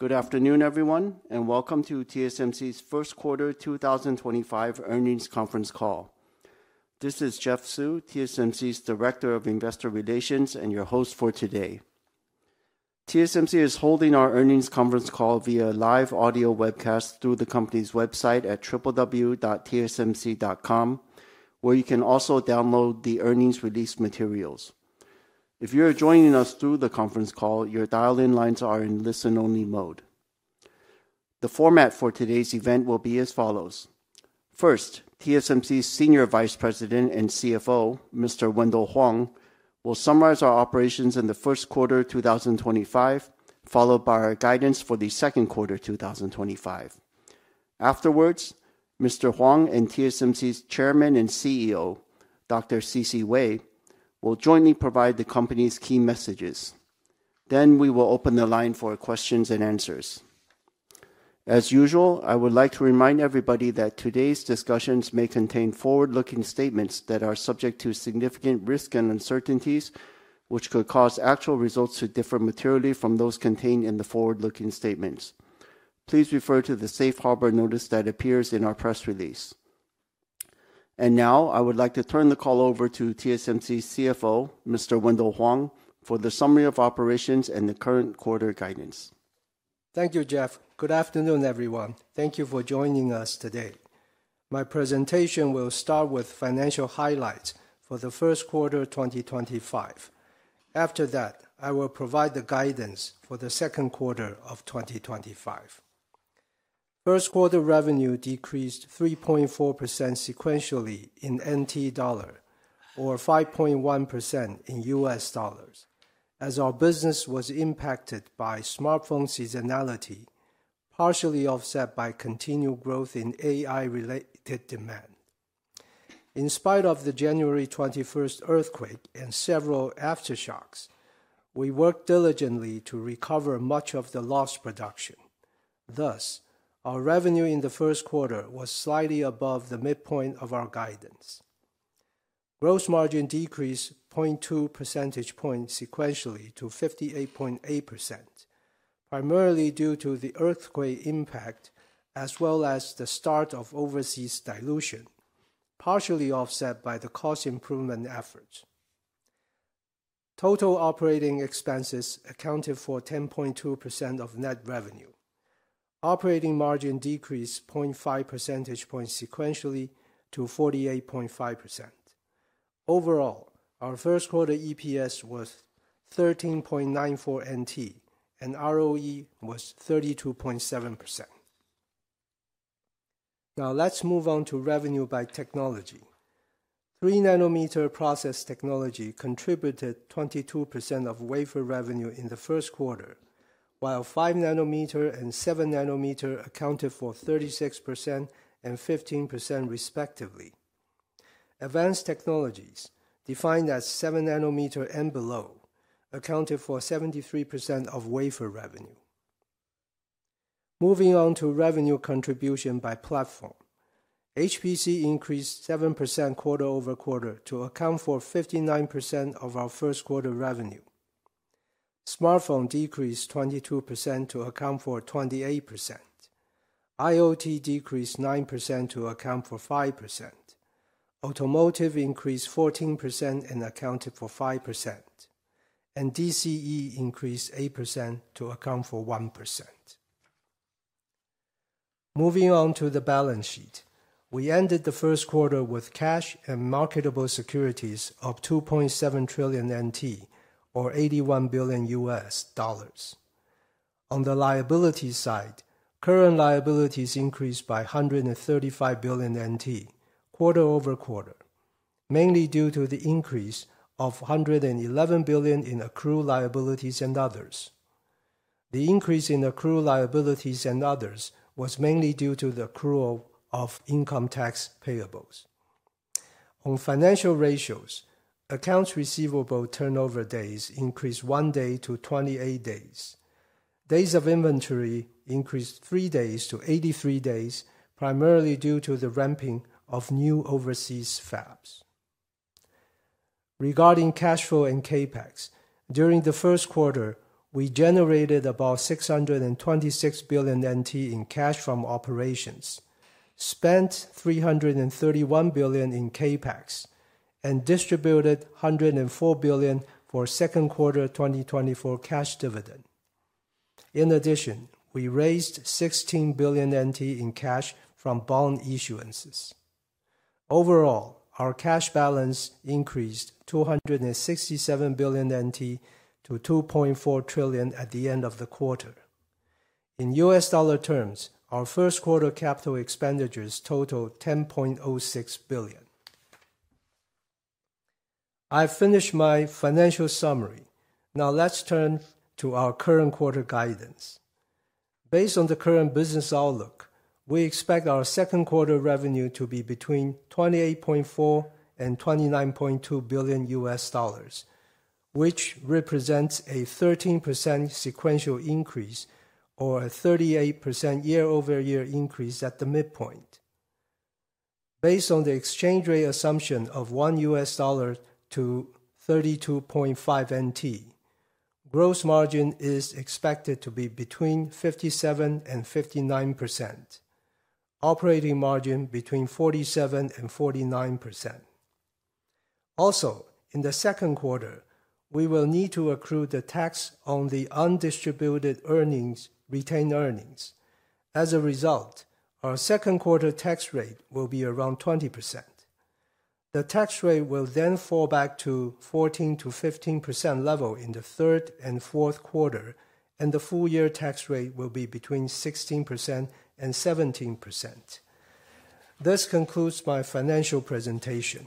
Good afternoon, everyone, and welcome to TSMC's First Quarter 2025 Earnings Conference Call. This is Jeff Su, TSMC's Director of Investor Relations and your host for today. TSMC is holding our Earnings Conference Call via live audio webcast through the company's website at www.tsmc.com, where you can also download the earnings release materials. If you are joining us through the conference call, your dial-in lines are in listen-only mode. The format for today's event will be as follows. First, TSMC's Senior Vice President and CFO, Mr. Wendell Huang, will summarize our operations in the first quarter 2025, followed by our guidance for the second quarter 2025. Afterwards, Mr. Huang and TSMC's Chairman and CEO, Dr. C.C. Wei, will jointly provide the company's key messages. We will open the line for questions-and-answers. As usual, I would like to remind everybody that today's discussions may contain forward-looking statements that are subject to significant risk and uncertainties, which could cause actual results to differ materially from those contained in the forward-looking statements. Please refer to the safe harbor notice that appears in our press release. I would like to turn the call over to TSMC's CFO, Mr. Wendell Huang, for the summary of operations and the current quarter guidance. Thank you, Jeff. Good afternoon, everyone. Thank you for joining us today. My presentation will start with financial highlights for the first quarter 2025. After that, I will provide the guidance for the second quarter of 2025. First quarter revenue decreased 3.4% sequentially in NT dollar, or 5.1% in U.S. dollars, as our business was impacted by smartphone seasonality, partially offset by continued growth in AI-related demand. In spite of the January 21 earthquake and several aftershocks, we worked diligently to recover much of the lost production. Thus, our revenue in the first quarter was slightly above the midpoint of our guidance. Gross margin decreased 0.2 percentage points sequentially to 58.8%, primarily due to the earthquake impact as well as the start of overseas dilution, partially offset by the cost improvement efforts. Total operating expenses accounted for 10.2% of net revenue. Operating margin decreased 0.5 percentage points sequentially to 48.5%. Overall, our first quarter EPS was NT 13.94, and ROE was 32.7%. Now, let's move on to revenue by technology. Three-nanometer process technology contributed 22% of wafer revenue in the first quarter, while five-nanometer and seven-nanometer accounted for 36% and 15% respectively. Advanced technologies, defined as seven-nanometer and below, accounted for 73% of wafer revenue. Moving on to revenue contribution by platform. HPC increased 7% quarter-over-quarter to account for 59% of our first quarter revenue. Smartphone decreased 22% to account for 28%. IoT decreased 9% to account for 5%. Automotive increased 14% and accounted for 5%. DCE increased 8% to account for 1%. Moving on to the balance sheet, we ended the first quarter with cash and marketable securities of NT 2.7 trillion, or $81 billion. On the liabilities side, current liabilities increased by 135 billion NT quarter-over-quarter, mainly due to the increase of 111 billion in accrued liabilities and others. The increase in accrued liabilities and others was mainly due to the accrual of income tax payables. On financial ratios, accounts receivable turnover days increased one day to 28 days. Days of inventory increased three days to 83 days, primarily due to the ramping of new overseas fabs. Regarding cash flow and CAPEX, during the first quarter, we generated about 626 billion NT in cash from operations, spent 331 billion in CAPEX, and distributed 104 billion for second quarter 2024 cash dividend. In addition, we raised 16 billion NT in cash from bond issuances. Overall, our cash balance increased 267 billion-2.4 trillion NT at the end of the quarter. In U.S. dollar terms, our first quarter capital expenditures totaled $10.06 billion. I've finished my financial summary. Now, let's turn to our current quarter guidance. Based on the current business outlook, we expect our second quarter revenue to be between $28.4 billion and $29.2 billion, which represents a 13% sequential increase or a 38% year-over-year increase at the midpoint. Based on the exchange rate assumption of $1 -NT 32.5, gross margin is expected to be between 57-59%. Operating margin between 47-49%. Also, in the second quarter, we will need to accrue the tax on the undistributed retained earnings. As a result, our second quarter tax rate will be around 20%. The tax rate will then fall back to the 14-15% level in the third and fourth quarter, and the full year tax rate will be between 16% and 17%. This concludes my financial presentation.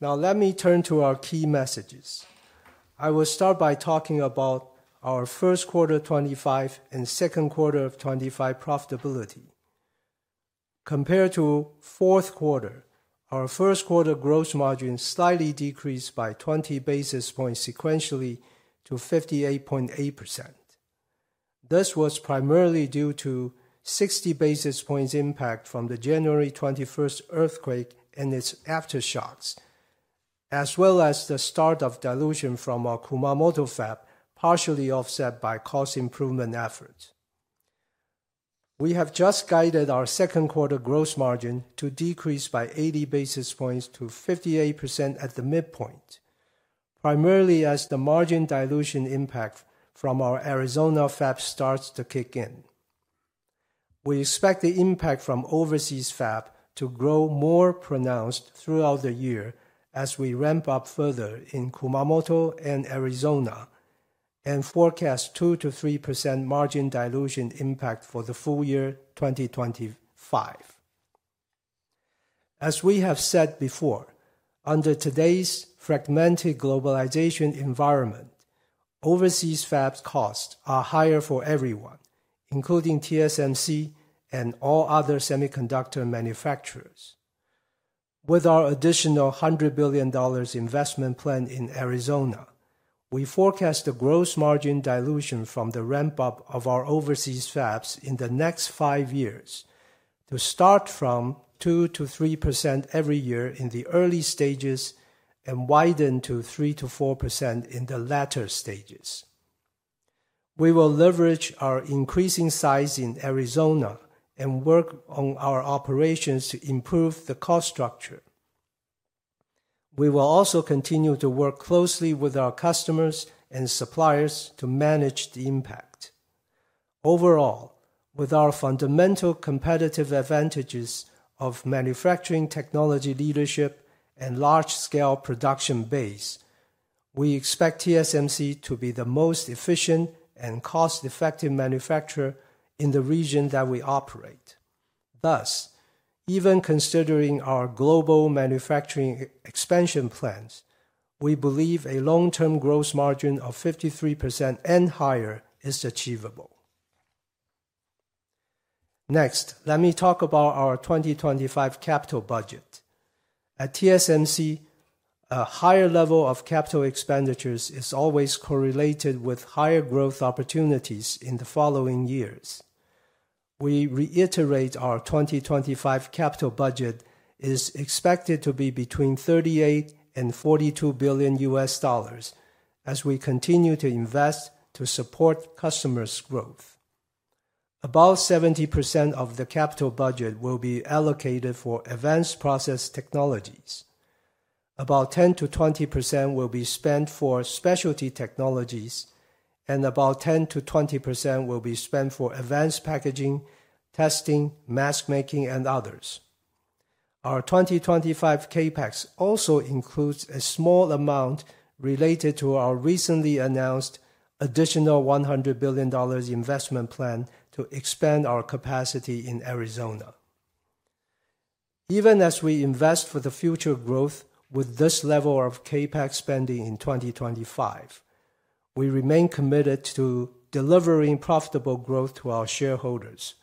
Now, let me turn to our key messages. I will start by talking about our first quarter 2025 and second quarter of 2025 profitability. Compared to fourth quarter, our first quarter gross margin slightly decreased by 20 basis points sequentially to 58.8%. This was primarily due to 60 basis points impact from the January 21 earthquake and its aftershocks, as well as the start of dilution from our Kumamoto fab, partially offset by cost improvement efforts. We have just guided our second quarter gross margin to decrease by 80 basis points to 58% at the midpoint, primarily as the margin dilution impact from our Arizona fab starts to kick in. We expect the impact from overseas fab to grow more pronounced throughout the year as we ramp up further in Kumamoto and Arizona and forecast 2-3% margin dilution impact for the full year 2025. As we have said before, under today's fragmented globalization environment, overseas fabs' costs are higher for everyone, including TSMC and all other semiconductor manufacturers. With our additional $100 billion investment planned in Arizona, we forecast the gross margin dilution from the ramp-up of our overseas fabs in the next five years to start from 2-3% every year in the early stages and widen to 3-4% in the latter stages. We will leverage our increasing size in Arizona and work on our operations to improve the cost structure. We will also continue to work closely with our customers and suppliers to manage the impact. Overall, with our fundamental competitive advantages of manufacturing technology leadership and large-scale production base, we expect TSMC to be the most efficient and cost-effective manufacturer in the region that we operate. Thus, even considering our global manufacturing expansion plans, we believe a long-term gross margin of 53% and higher is achievable. Next, let me talk about our 2025 capital budget. At TSMC, a higher level of capital expenditures is always correlated with higher growth opportunities in the following years. We reiterate our 2025 capital budget is expected to be between $38 billion and $42 billion as we continue to invest to support customers' growth. About 70% of the capital budget will be allocated for advanced process technologies. About 10%-20% will be spent for specialty technologies, and about 10%-20% will be spent for advanced packaging, testing, mask making, and others. Our 2025 CAPEX also includes a small amount related to our recently announced additional $100 billion investment plan to expand our capacity in Arizona. Even as we invest for the future growth with this level of CAPEX spending in 2025, we remain committed to delivering profitable growth to our shareholders.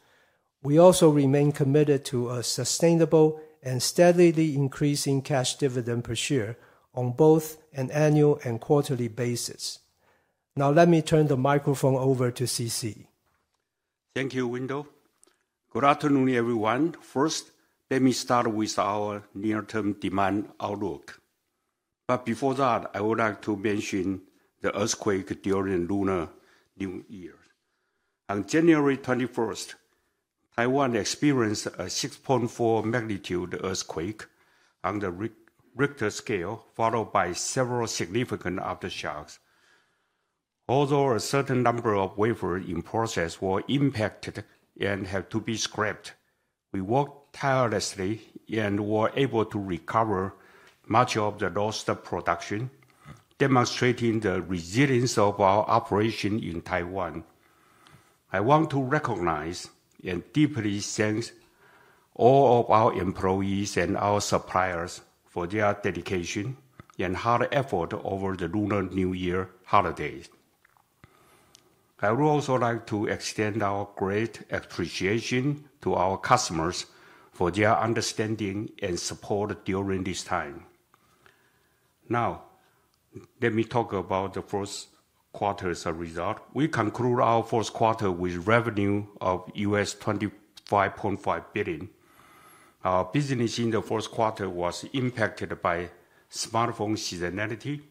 We also remain committed to a sustainable and steadily increasing cash dividend per share on both an annual and quarterly basis. Now, let me turn the microphone over to C.C. Wei. Thank you, Wendell. Good afternoon, everyone. First, let me start with our near-term demand outlook. Before that, I would like to mention the earthquake during Lunar New Year. On January 21, Taiwan experienced a 6.4 magnitude earthquake on the Richter scale, followed by several significant aftershocks. Although a certain number of wafers in process were impacted and had to be scrapped, we worked tirelessly and were able to recover much of the lost production, demonstrating the resilience of our operation in Taiwan. I want to recognize and deeply thank all of our employees and our suppliers for their dedication and hard effort over the Lunar New Year holidays. I would also like to extend our great appreciation to our customers for their understanding and support during this time. Now, let me talk about the first quarter's result. We concluded our first quarter with revenue of $25.5 billion. Our business in the fourth quarter was impacted by smartphone seasonality,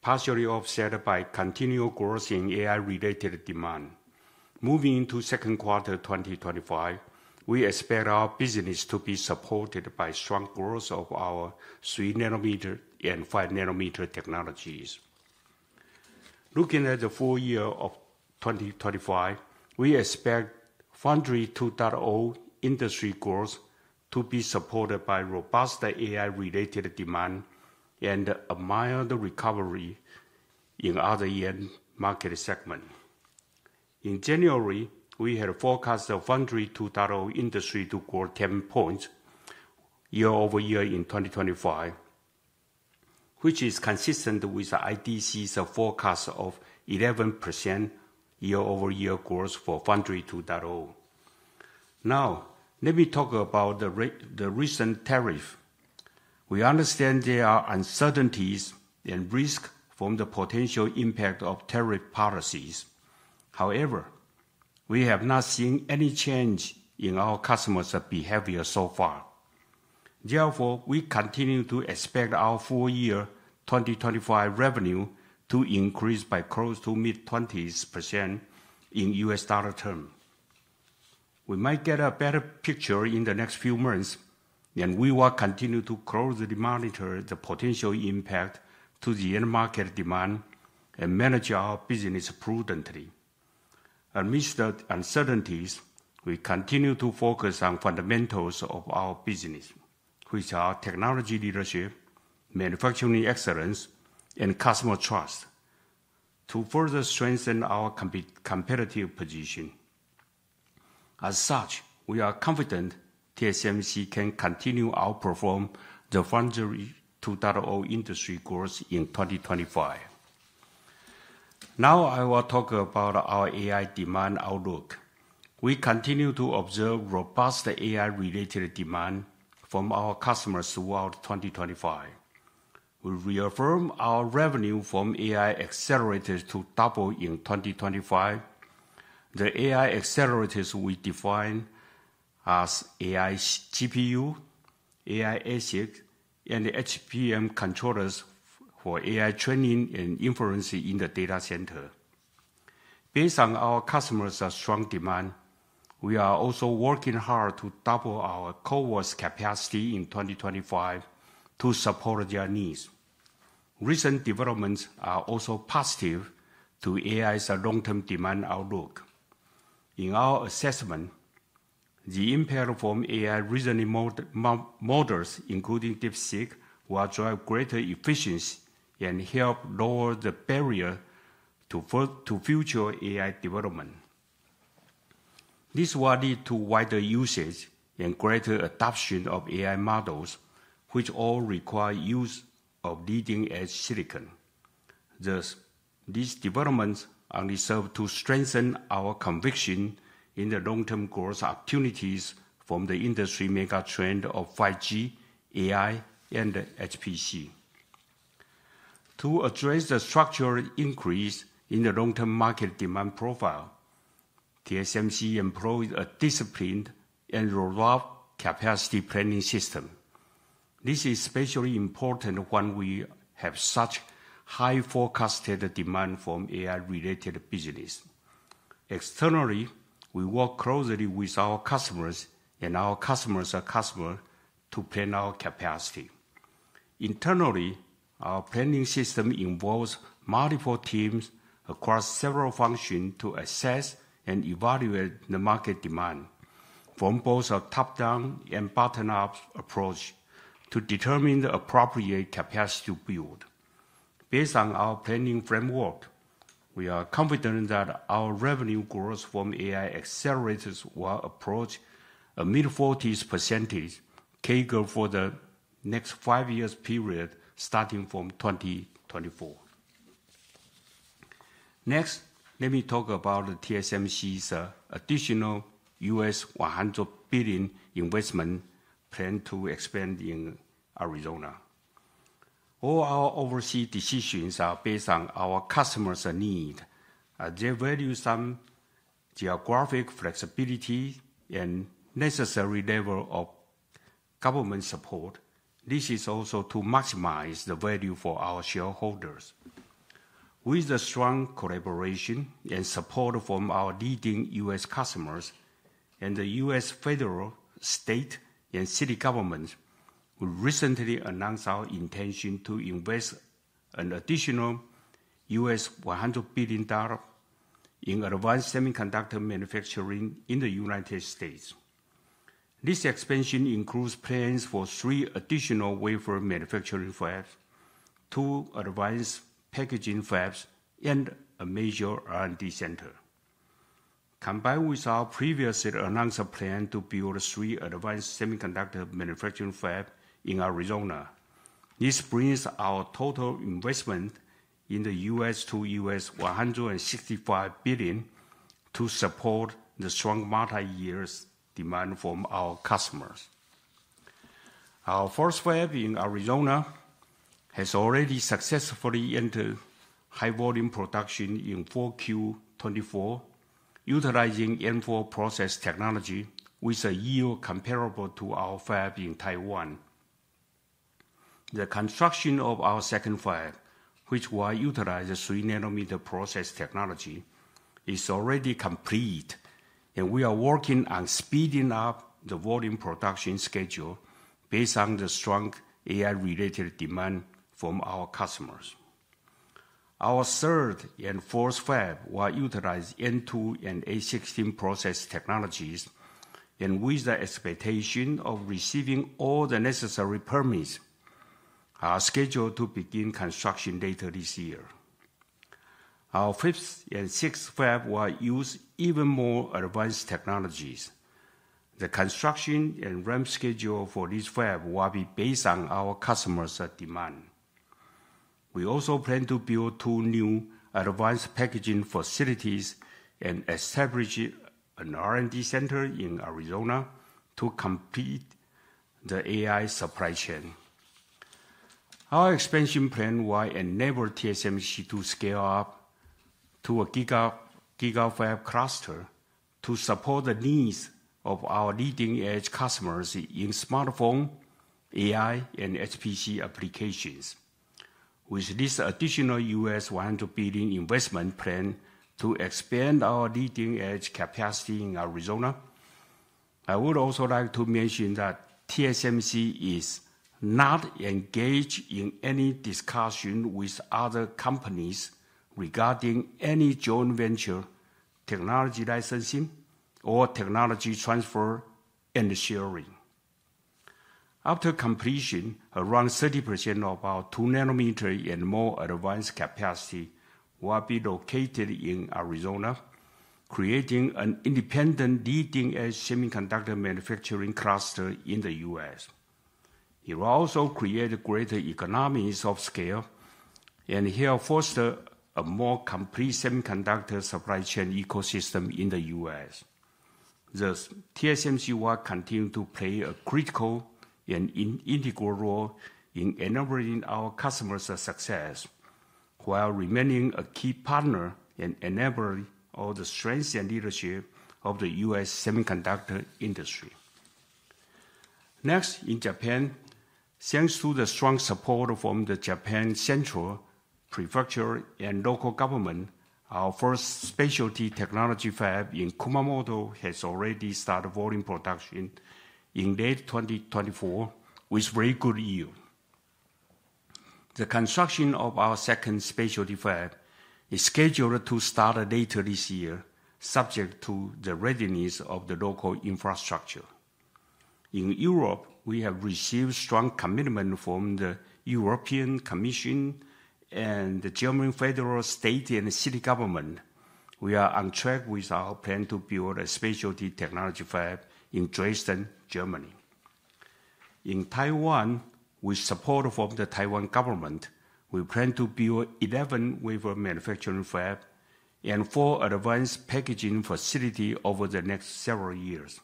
partially offset by continued growth in AI-related demand. Moving into second quarter 2025, we expect our business to be supported by strong growth of our 3-nanometer and 5-nanometer technologies. Looking at the full year of 2025, we expect Foundry 2.0 industry growth to be supported by robust AI-related demand and a mild recovery in other market segments. In January, we had forecast the Foundry 2.0 industry to grow 10 percentage points year-over-year in 2025, which is consistent with IDC's forecast of 11% year-over-year growth for Foundry 2.0. Now, let me talk about the recent tariffs. We understand there are uncertainties and risks from the potential impact of tariff policies. However, we have not seen any change in our customers' behavior so far. Therefore, we continue to expect our full year 2025 revenue to increase by close to mid-20% in U.S. dollar terms. We might get a better picture in the next few months, and we will continue to closely monitor the potential impact to the end market demand and manage our business prudently. Amidst the uncertainties, we continue to focus on fundamentals of our business, which are technology leadership, manufacturing excellence, and customer trust, to further strengthen our competitive position. As such, we are confident TSMC can continue to outperform the Foundry 2.0 industry growth in 2025. Now, I will talk about our AI demand outlook. We continue to observe robust AI-related demand from our customers throughout 2025. We reaffirm our revenue from AI accelerators to double in 2025. The AI accelerators we define as AI GPU, AI ASIC, and HBM controllers for AI training and inference in the data center. Based on our customers' strong demand, we are also working hard to double our CoWoS capacity in 2025 to support their needs. Recent developments are also positive to AI's long-term demand outlook. In our assessment, the impact from AI reasoning models, including DeepSeek, will drive greater efficiency and help lower the barrier to future AI development. This will lead to wider usage and greater adoption of AI models, which all require use of leading-edge silicon. Thus, these developments only serve to strengthen our conviction in the long-term growth opportunities from the industry mega trend of 5G, AI, and HPC. To address the structural increase in the long-term market demand profile, TSMC employs a disciplined and robust capacity planning system. This is especially important when we have such high forecasted demand from AI-related business. Externally, we work closely with our customers and our customers' customers to plan our capacity. Internally, our planning system involves multiple teams across several functions to assess and evaluate the market demand from both a top-down and bottom-up approach to determine the appropriate capacity to build. Based on our planning framework, we are confident that our revenue growth from AI accelerators will approach a mid-40s-percentage CAGR for the next five years' period starting from 2024. Next, let me talk about TSMC's additional $100 billion investment planned to expand in Arizona. All our overseas decisions are based on our customers' needs. They value some geographic flexibility and necessary level of government support. This is also to maximize the value for our shareholders. With the strong collaboration and support from our leading U.S. customers and the U.S. federal, state, and city governments, we recently announced our intention to invest an additional $100 billion in advanced semiconductor manufacturing in the United States. This expansion includes plans for three additional wafer manufacturing fabs, two advanced packaging fabs, and a major R&D center. Combined with our previously announced plan to build three advanced semiconductor manufacturing fabs in Arizona, this brings our total investment in the U.S. to $165 billion to support the strong multi-year demand from our customers. Our first fab in Arizona has already successfully entered high-volume production in Q4 2024, utilizing N4 process technology with a yield comparable to our fab in Taiwan. The construction of our second fab, which will utilize a 3-nanometer process technology, is already complete, and we are working on speeding up the volume production schedule based on the strong AI-related demand from our customers. Our third and fourth fab will utilize N2 and A16 process technologies, and with the expectation of receiving all the necessary permits, are scheduled to begin construction later this year. Our fifth and sixth fab will use even more advanced technologies. The construction and ramp schedule for these fabs will be based on our customers' demand. We also plan to build two new advanced packaging facilities and establish an R&D center in Arizona to complete the AI supply chain. Our expansion plan will enable TSMC to scale up to a GIGAFAB cluster to support the needs of our leading-edge customers in smartphone, AI, and HPC applications. With this additional $100 billion investment planned to expand our leading-edge capacity in Arizona, I would also like to mention that TSMC is not engaged in any discussion with other companies regarding any joint venture, technology licensing, or technology transfer and sharing. After completion, around 30% of our two-nanometer and more advanced capacity will be located in Arizona, creating an independent leading-edge semiconductor manufacturing cluster in the U.S. It will also create greater economies of scale and help foster a more complete semiconductor supply chain ecosystem in the U.S. Thus, TSMC will continue to play a critical and integral role in enabling our customers' success while remaining a key partner and enabling all the strength and leadership of the U.S. semiconductor industry. Next, in Japan, thanks to the strong support from the Japan Central Prefecture and local government, our first specialty technology fab in Kumamoto has already started volume production in late 2024 with very good yield. The construction of our second specialty fab is scheduled to start later this year, subject to the readiness of the local infrastructure. In Europe, we have received strong commitment from the European Commission and the German federal, state, and city governments. We are on track with our plan to build a specialty technology fab in Dresden, Germany. In Taiwan, with support from the Taiwan government, we plan to build 11 wafer manufacturing fabs and four advanced packaging facilities over the next several years.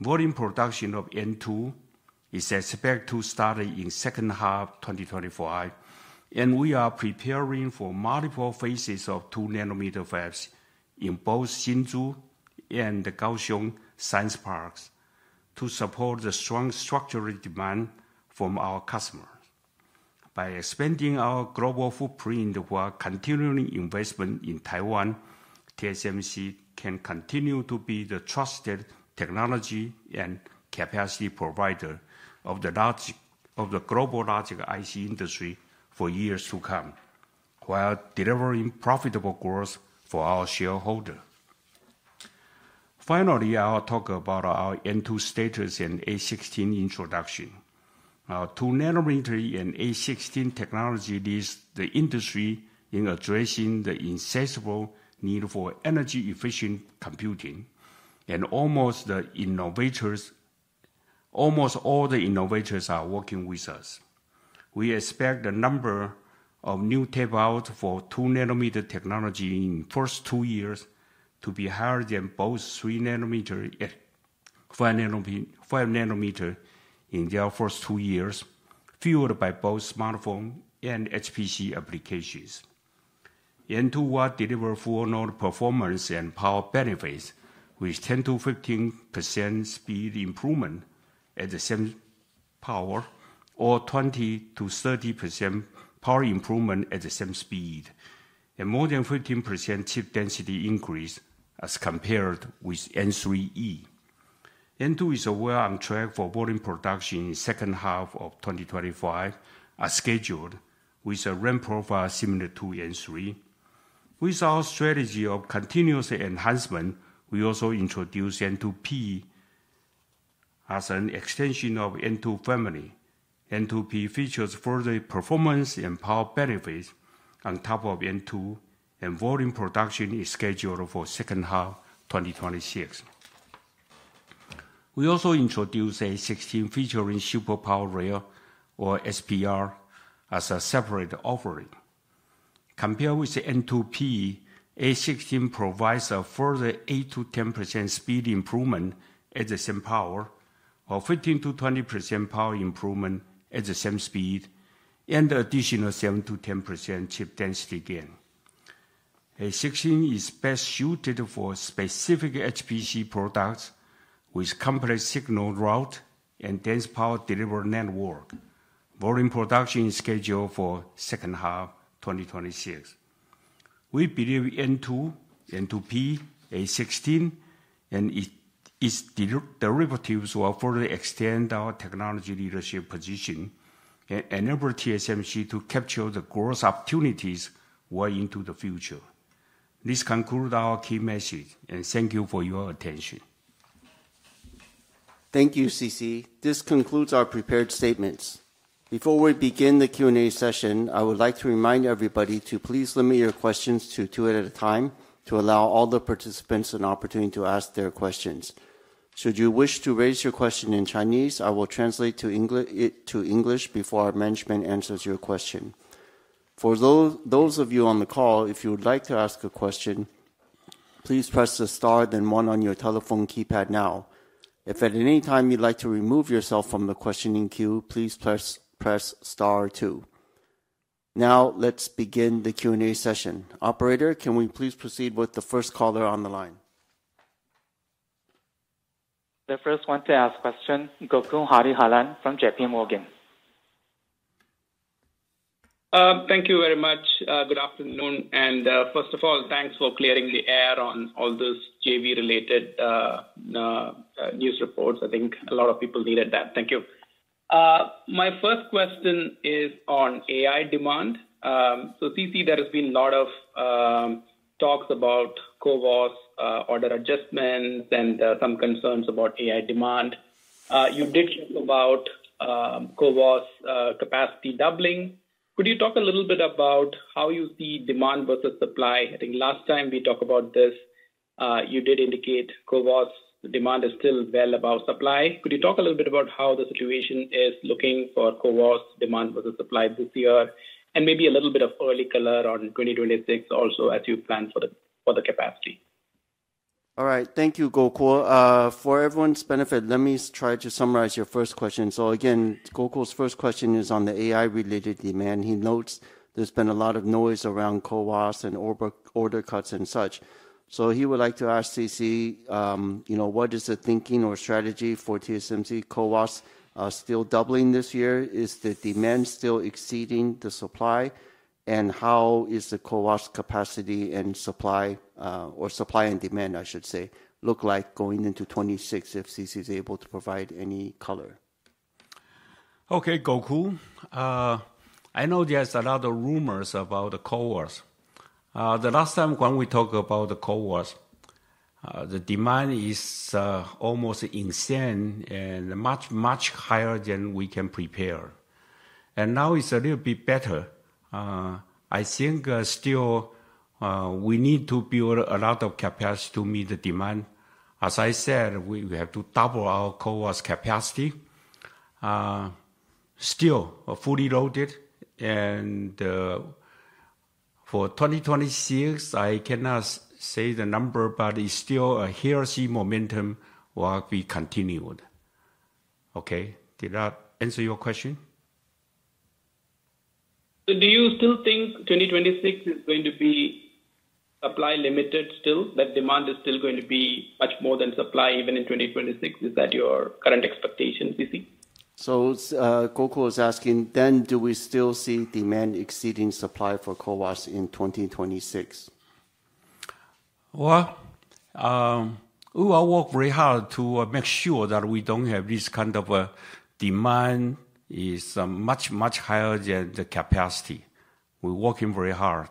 Volume production of N2 is expected to start in the second half of 2025, and we are preparing for multiple phases of two-nanometer fabs in both Hsinchu and Kaohsiung science parks to support the strong structural demand from our customers. By expanding our global footprint while continuing investment in Taiwan, TSMC can continue to be the trusted technology and capacity provider of the global logic IC industry for years to come while delivering profitable growth for our shareholders. Finally, I will talk about our N2 status and A16 introduction. Our two-nanometer and A16 technology leads the industry in addressing the insatiable need for energy-efficient computing, and almost all the innovators are working with us. We expect the number of new tape outs for two-nanometer technology in the first two years to be higher than both three-nanometer and five-nanometer in their first two years, fueled by both smartphone and HPC applications. N2 will deliver full-on performance and power benefits, with 10-15% speed improvement at the same power or 20-30% power improvement at the same speed, and more than 15% chip density increase as compared with N3e. N2 is well on track for volume production in the second half of 2025 as scheduled, with a ramp profile similar to N3. With our strategy of continuous enhancement, we also introduce N2P as an extension of N2 family. N2P features further performance and power benefits on top of N2, and volume production is scheduled for the second half of 2026. We also introduce A16 featuring Super Power Rail or SPR as a separate offering. Compared with N2P, A16 provides a further 8-10% speed improvement at the same power, or 15-20% power improvement at the same speed, and additional 7-10% chip density gain. A16 is best suited for specific HPC products with complex signal route and dense power delivery network. Volume production is scheduled for the second half of 2026. We believe N2, N2P, A16, and its derivatives will further extend our technology leadership position and enable TSMC to capture the growth opportunities well into the future. This concludes our key message, and thank you for your attention. Thank you, C.C. This concludes our prepared statements. Before we begin the Q&A session, I would like to remind everybody to please limit your questions to two at a time to allow all the participants an opportunity to ask their questions. Should you wish to raise your question in Chinese, I will translate it to English before our management answers your question. For those of you on the call, if you would like to ask a question, please press the star then one on your telephone keypad now. If at any time you'd like to remove yourself from the questioning queue, please press star two. Now, let's begin the Q&A session. Operator, can we please proceed with the first caller on the line? The first one to ask a question, Gokul Hariharan from JPMorgan. Thank you very much. Good afternoon. First of all, thanks for clearing the air on all those JV-related news reports. I think a lot of people needed that. Thank you. My first question is on AI demand. C.C., there has been a lot of talks about CoWoS order adjustments and some concerns about AI demand. You did talk about CoWoS capacity doubling. Could you talk a little bit about how you see demand versus supply? I think last time we talked about this, you did indicate CoWoS demand is still well above supply. Could you talk a little bit about how the situation is looking for CoWoS demand versus supply this year? Maybe a little bit of early color on 2026 also as you plan for the capacity? All right. Thank you, Gokul. For everyone's benefit, let me try to summarize your first question. Gokul's first question is on the AI-related demand. He notes there's been a lot of noise around CoWoS and order cuts and such. He would like to ask C.C., what is the thinking or strategy for TSMC? CoWoS still doubling this year? Is the demand still exceeding the supply? How is the CoWoS capacity and supply, or supply and demand, I should say, look like going into 2026 if C.C. is able to provide any color? Okay, Gokul. I know there is a lot of rumors about the CoWoS. The last time when we talked about the CoWoS, the demand is almost insane and much, much higher than we can prepare. Now it is a little bit better. I think still we need to build a lot of capacity to meet the demand. As I said, we have to double our CoWoS capacity. Still fully loaded. For 2026, I cannot say the number, but it is still a heresy momentum while we continue. Okay? Did that answer your question? Do you still think 2026 is going to be supply limited still? That demand is still going to be much more than supply even in 2026? Is that your current expectation, C.C.? Gokul is asking, do we still see demand exceeding supply for CoWoS in 2026? We will work very hard to make sure that we do not have this kind of demand being much, much higher than the capacity. We are working very hard,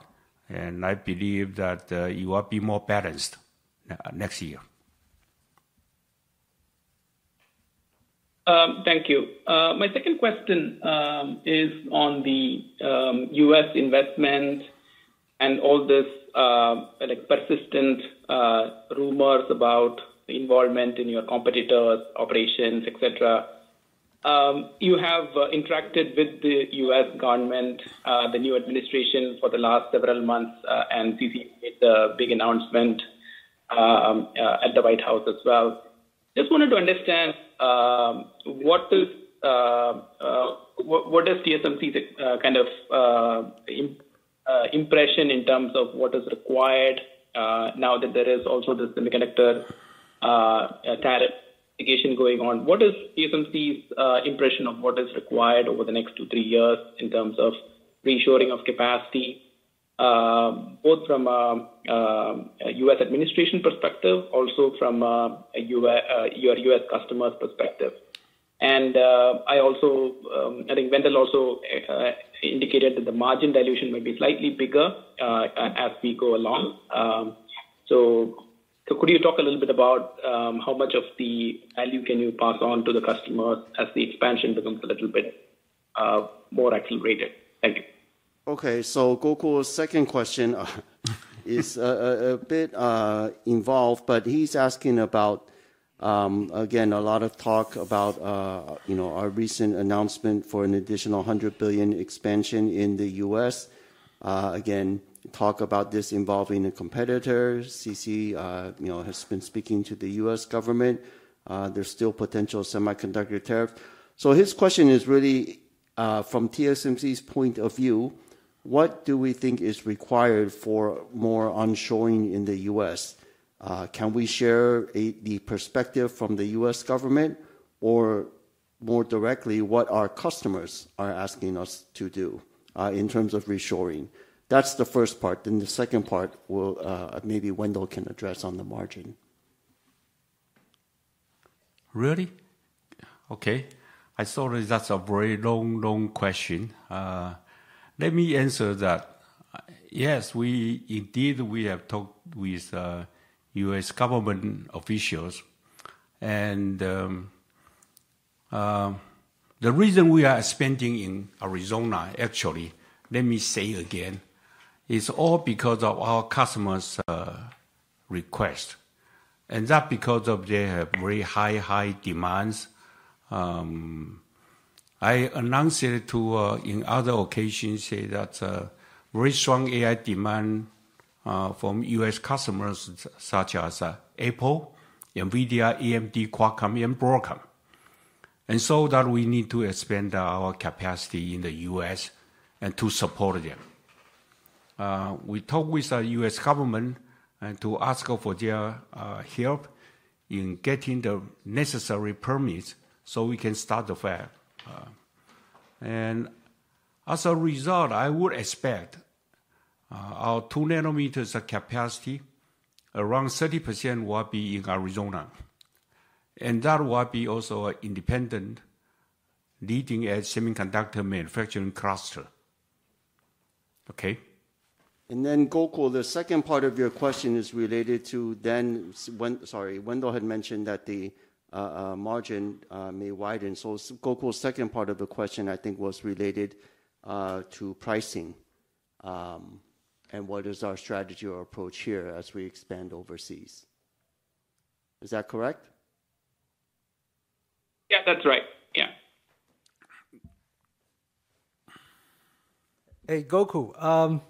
and I believe that it will be more balanced next year. Thank you. My second question is on the U.S. investment and all these persistent rumors about involvement in your competitors' operations, etc. You have interacted with the U.S. government, the new administration for the last several months, and C.C. made the big announcement at the White House as well. I just wanted to understand what is TSMC's impression in terms of what is required now that there is also the semiconductor tariff litigation going on? What is TSMC's impression of what is required over the next two, three years in terms of reassuring of capacity, both from a U.S. administration perspective, also from your U.S. customers' perspective? I think Wendell also indicated that the margin dilution may be slightly bigger as we go along. Could you talk a little bit about how much of the value can you pass on to the customers as the expansion becomes a little bit more accelerated? Thank you. Okay. Gokul's second question is a bit involved, but he's asking about, again, a lot of talk about our recent announcement for an additional $100 billion expansion in the U.S. Again, talk about this involving the competitors. C.C. has been speaking to the U.S. government. There's still potential semiconductor tariffs. His question is really from TSMC's point of view, what do we think is required for more onshoring in the U.S.? Can we share the perspective from the U.S. government, or more directly, what our customers are asking us to do in terms of reshoring? That's the first part. The second part, maybe Wendell can address on the margin. Really? Okay. I saw that's a very long, long question. Let me answer that. Yes, indeed, we have talked with U.S. government officials. The reason we are expanding in Arizona, actually, let me say again, is all because of our customers' request. That's because of their very high, high demands. I announced it in other occasions, said that very strong AI demand from U.S. customers such as Apple, Nvidia, AMD, Qualcomm, and Broadcom. We need to expand our capacity in the U.S. to support them. We talked with the U.S. government to ask for their help in getting the necessary permits so we can start the fab. As a result, I would expect our two-nanometer capacity, around 30%, will be in Arizona. That will be also an independent leading-edge semiconductor manufacturing cluster. Okay? Gokul, the second part of your question is related to, sorry, Wendell had mentioned that the margin may widen. Gokul's second part of the question, I think, was related to pricing and what is our strategy or approach here as we expand overseas. Is that correct? Yeah, that's right. Yeah. Hey, Gokul.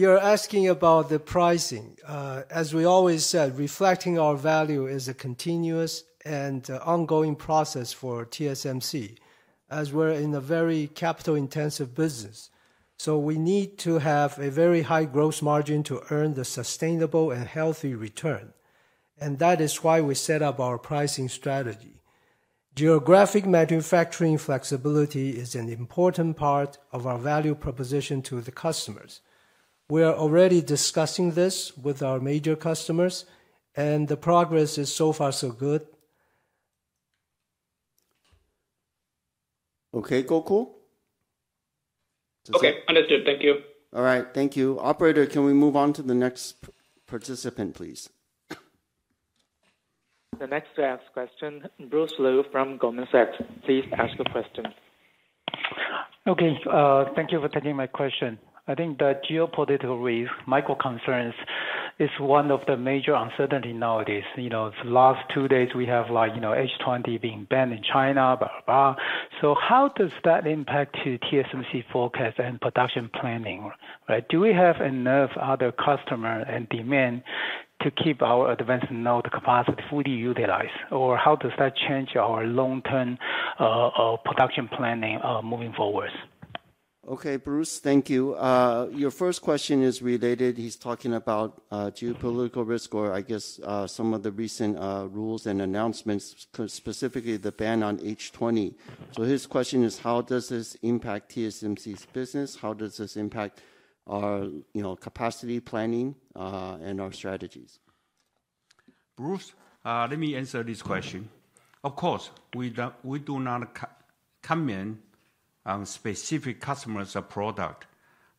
You're asking about the pricing. As we always said, reflecting our value is a continuous and ongoing process for TSMC, as we're in a very capital-intensive business. We need to have a very high gross margin to earn the sustainable and healthy return. That is why we set up our pricing strategy. Geographic manufacturing flexibility is an important part of our value proposition to the customers. We are already discussing this with our major customers, and the progress is so far so good. Okay, Gokul? Okay, understood. Thank you. All right, thank you. Operator, can we move on to the next participant, please? The next to ask question, Bruce Lu from Goldman Sachs. Please ask a question. Okay, thank you for taking my question. I think the geopolitical micro concerns is one of the major uncertainties nowadays. The last two days, we have H20 being banned in China, blah, blah, blah. How does that impact TSMC's forecast and production planning? Do we have enough other customers and demand to keep our advanced node capacity fully utilized? Or how does that change our long-term production planning moving forward? Okay, Bruce, thank you. Your first question is related. He's talking about geopolitical risk or, I guess, some of the recent rules and announcements, specifically the ban on H20. So his question is, how does this impact TSMC's business? How does this impact our capacity planning and our strategies? Bruce, let me answer this question. Of course, we do not comment on specific customers' products,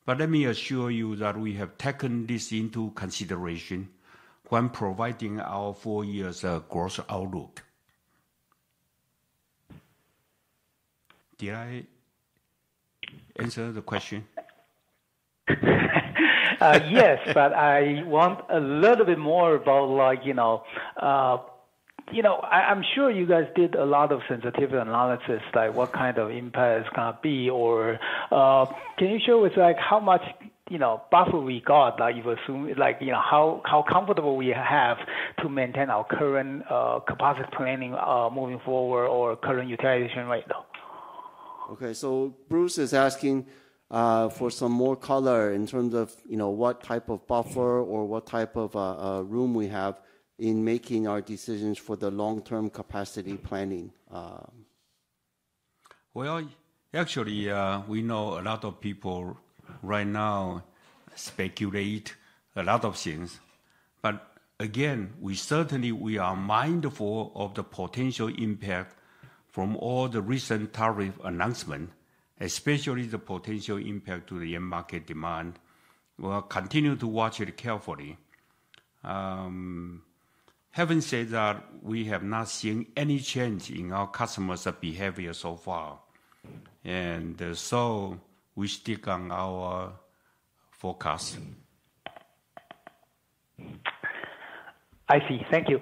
but let me assure you that we have taken this into consideration when providing our four-year gross outlook. Did I answer the question? Yes, but I want a little bit more about, you know, I'm sure you guys did a lot of sensitive analysis, like what kind of impact it's going to be. Can you share with us how much buffer we got that you've assumed, like how comfortable we have to maintain our current capacity planning moving forward or current utilization right now? Bruce is asking for some more color in terms of what type of buffer or what type of room we have in making our decisions for the long-term capacity planning. Actually, we know a lot of people right now speculate a lot of things. Again, we certainly are mindful of the potential impact from all the recent tariff announcements, especially the potential impact to the end market demand. We will continue to watch it carefully. Having said that, we have not seen any change in our customers' behavior so far. We stick on our forecast. I see. Thank you.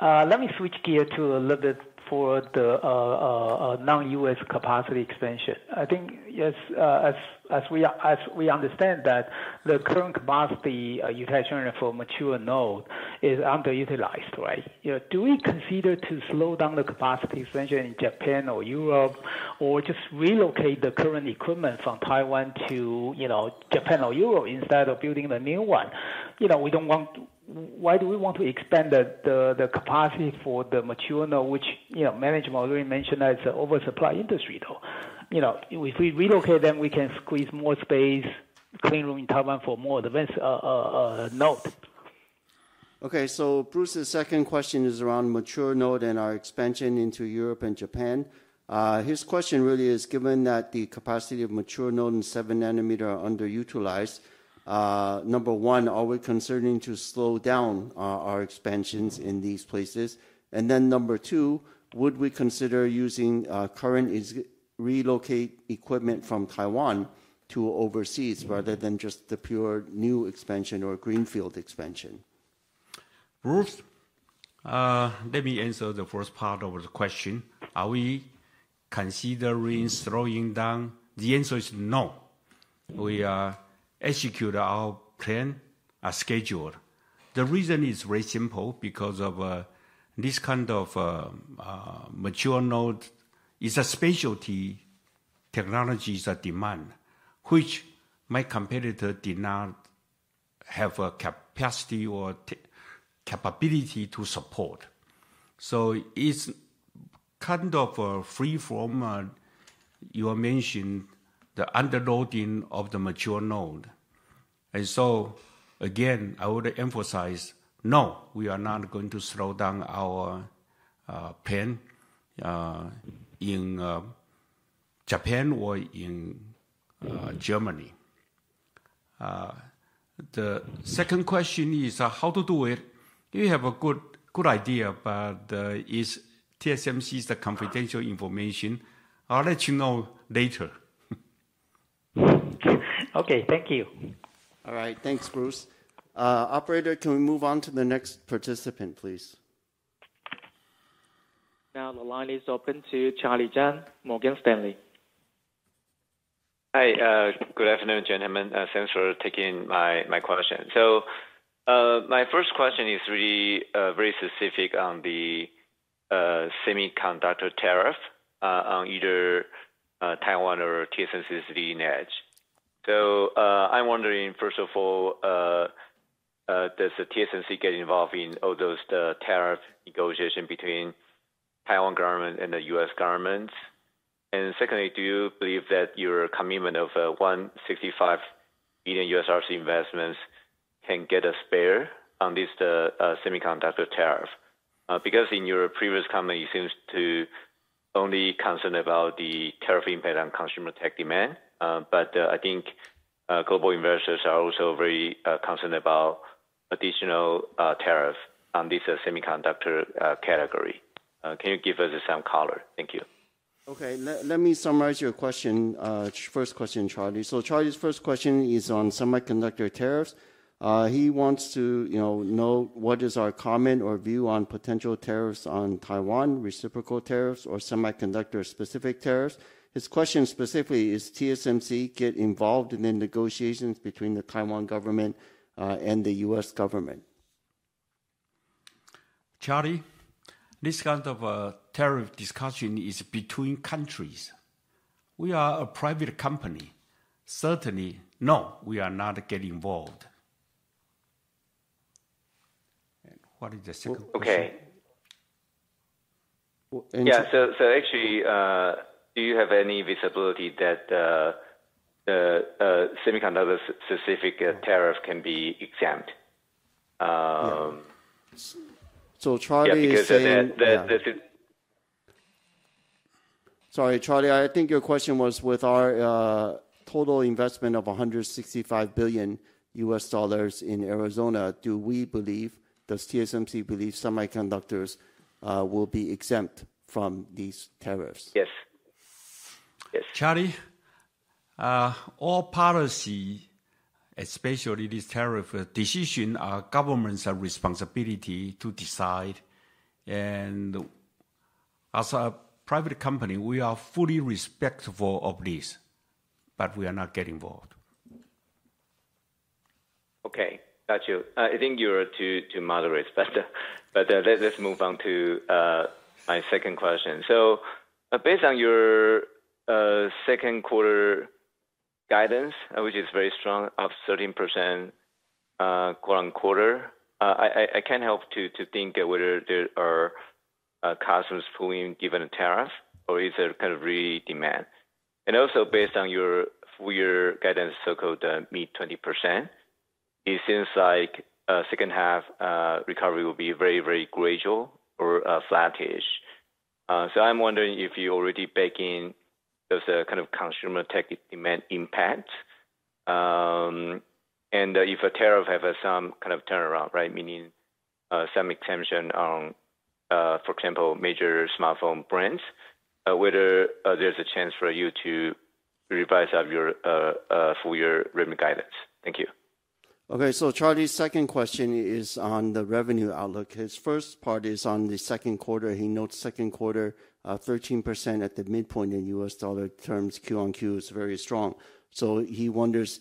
Let me switch gears a little bit for the non-U.S. capacity expansion. I think, as we understand that the current capacity utilization for mature node is underutilized, right? Do we consider to slow down the capacity expansion in Japan or Europe, or just relocate the current equipment from Taiwan to Japan or Europe instead of building the new one? We do not want—why do we want to expand the capacity for the mature node, which management already mentioned that it is an oversupply industry, though? If we relocate them, we can squeeze more space, clean room in Taiwan for more advanced nodes. Okay, so Bruce's second question is around mature node and our expansion into Europe and Japan. His question really is, given that the capacity of mature node and 7-nanometer are underutilized, number one, are we concerned to slow down our expansions in these places? Number two, would we consider using current relocate equipment from Taiwan to overseas rather than just the pure new expansion or greenfield expansion? Bruce? Let me answer the first part of the question. Are we considering slowing down? The answer is no. We execute our plan as scheduled. The reason is very simple because of this kind of mature node is a specialty technology that demand, which my competitor did not have capacity or capability to support. It is kind of free from, you mentioned, the underloading of the mature node. Again, I would emphasize, no, we are not going to slow down our plan in Japan or in Germany. The second question is how to do it. We have a good idea, but it is TSMC's confidential information. I'll let you know later. Thank you. All right, thanks, Bruce. Operator, can we move on to the next participant, please? Now the line is open to Charlie Chan, Morgan Stanley. Hi, good afternoon, gentlemen. Thanks for taking my question. My first question is really very specific on the semiconductor tariff on either Taiwan or TSMC's leading edge. I am wondering, first of all, does TSMC get involved in all those tariff negotiations between Taiwan government and the U.S. government? Secondly, do you believe that your commitment of $165 billion U.S. dollars investments can get a spare on this semiconductor tariff? In your previous comment, you seem to only concern about the tariff impact on consumer tech demand. I think global investors are also very concerned about additional tariffs on this semiconductor category. Can you give us some color? Thank you. Okay, let me summarize your question. First question, Charlie. Charlie's first question is on semiconductor tariffs. He wants to know what is our comment or view on potential tariffs on Taiwan, reciprocal tariffs, or semiconductor-specific tariffs. His question specifically, is TSMC getting involved in the negotiations between the Taiwan government and the U.S. government? Charlie, this kind of tariff discussion is between countries. We are a private company. Certainly, no, we are not getting involved. What is the second question? Yeah, actually, do you have any visibility that semiconductor-specific tariffs can be exempt? Charlie is saying that—sorry, Charlie, I think your question was with our total investment of $165 billion in Arizona. Do we believe, does TSMC believe semiconductors will be exempt from these tariffs? Yes. Yes. Charlie, all policy, especially these tariff decisions, are government's responsibility to decide. As a private company, we are fully respectful of this, but we are not getting involved. Okay, got you. I think you're too moderate, but let's move on to my second question. Based on your second quarter guidance, which is very strong at 13% quarter-on-quarter, I can't help to think whether there are customers pulling given tariffs, or is there really demand? Also, based on your full-year guidance, so-called ME 20%, it seems like the second half recovery will be very, very gradual or flat-ish. I'm wondering if you're already baking those kinds of consumer tech demand impacts. If a tariff has some kind of turnaround, meaning some exemption on, for example, major smartphone brands, is there a chance for you to revise your full-year revenue guidance? Thank you. Okay, Charlie's second question is on the revenue outlook. His first part is on the second quarter. He notes second quarter 13% at the midpoint in U.S. dollar terms, Q on Q is very strong. He wonders,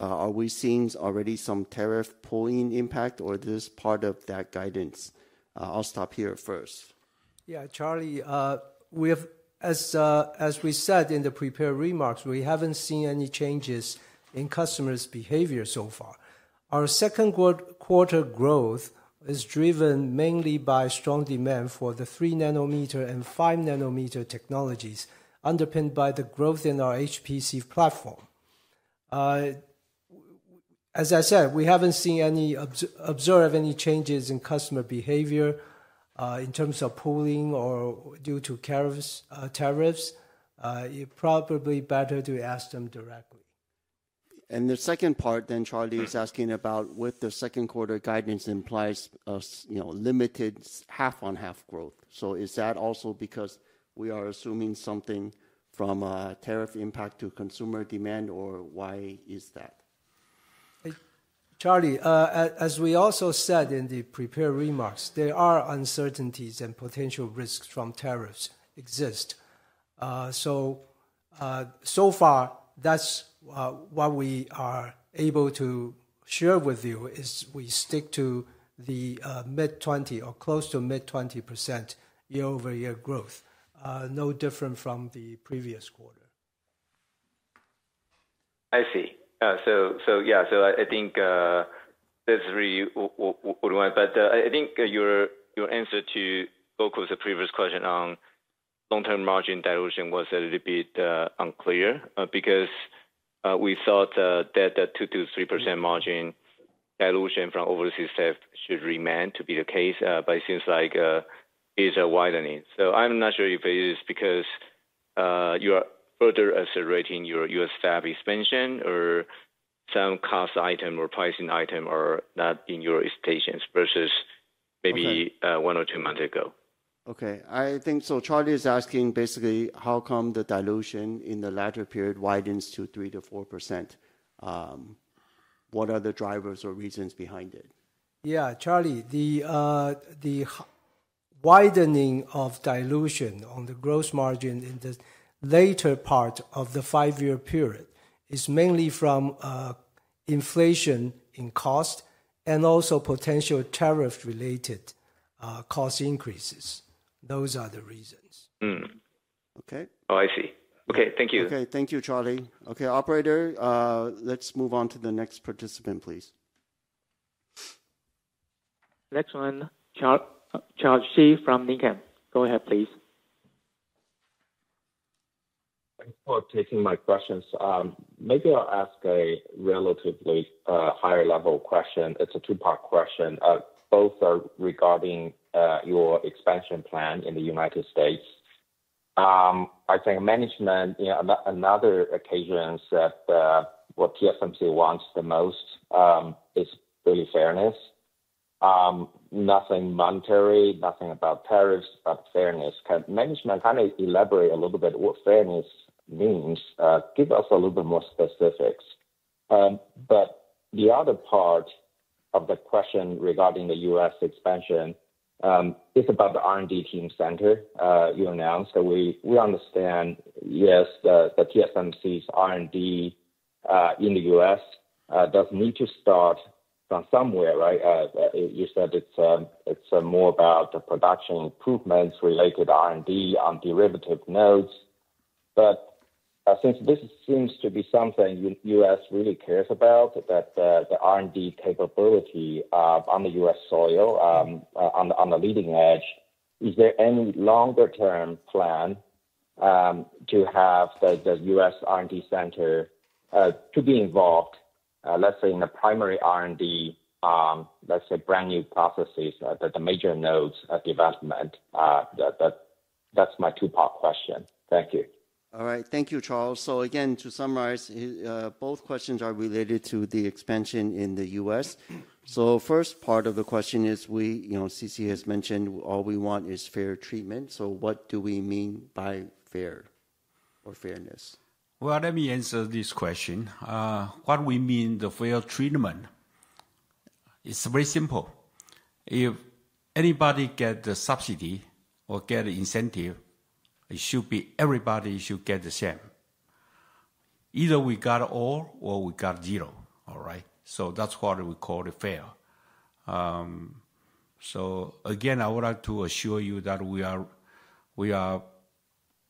are we seeing already some tariff pulling impact, or is this part of that guidance? I'll stop here first. Yeah, Charlie, as we said in the prepared remarks, we haven't seen any changes in customers' behavior so far. Our second quarter growth is driven mainly by strong demand for the 3-nanometer and 5-nanometer technologies, underpinned by the growth in our HPC platform. As I said, we haven't observed any changes in customer behavior in terms of pulling or due to tariffs. It's probably better to ask them directly. The second part then, Charlie, is asking about what the second quarter guidance implies of limited half-on-half growth. Is that also because we are assuming something from a tariff impact to consumer demand, or why is that? Charlie, as we also said in the prepared remarks, there are uncertainties and potential risks from tariffs exist. So far, what we are able to share with you is we stick to the mid-20% or close to mid-20% year-over-year growth, no different from the previous quarter. I see. I think that's really what we want. I think your answer to Gokul's previous question on long-term margin dilution was a little bit unclear because we thought that the 2-3% margin dilution from overseas staff should remain to be the case, but it seems like it's widening. I'm not sure if it is because you are further accelerating your U.S. staff expansion or some cost item or pricing item are not in your expectations versus maybe one or two months ago. Okay, I think so. Charlie is asking basically how come the dilution in the latter period widens to 3-4%. What are the drivers or reasons behind it? Yeah, Charlie, the widening of dilution on the gross margin in the later part of the five-year period is mainly from inflation in cost and also potential tariff-related cost increases. Those are the reasons. Okay. Oh, I see. Okay, thank you. Okay, thank you, Charlie. Okay, Operator, let's move on to the next participant, please. Next one, Charles Shi from Needham. Go ahead, please. Thanks for taking my questions. Maybe I'll ask a relatively higher-level question. It's a two-part question. Both are regarding your expansion plan in the U.S. I think management, another occasion that what TSMC wants the most is really fairness. Nothing monetary, nothing about tariffs, but fairness. Can management kind of elaborate a little bit what fairness means? Give us a little bit more specifics. The other part of the question regarding the U.S. expansion is about the R&D team center you announced. We understand, yes, the TSMC's R&D in the U.S. does need to start from somewhere, right? You said it's more about the production improvements related to R&D on derivative nodes. Since this seems to be something the U.S. really cares about, that the R&D capability on U.S. soil, on the leading edge, is there any longer-term plan to have the U.S. R&D center to be involved, let's say, in the primary R&D, let's say, brand new processes, the major nodes development? That is my two-part question. Thank you. All right. Thank you, Charles. Again, to summarize, both questions are related to the expansion in the U.S. The first part of the question is, C.C. has mentioned all we want is fair treatment. What do we mean by fair or fairness? Let me answer this question. What we mean by fair treatment is very simple. If anybody gets the subsidy or gets the incentive, everybody should get the same. Either we get all or we get zero, all right? That is what we call fair. Again, I would like to assure you that we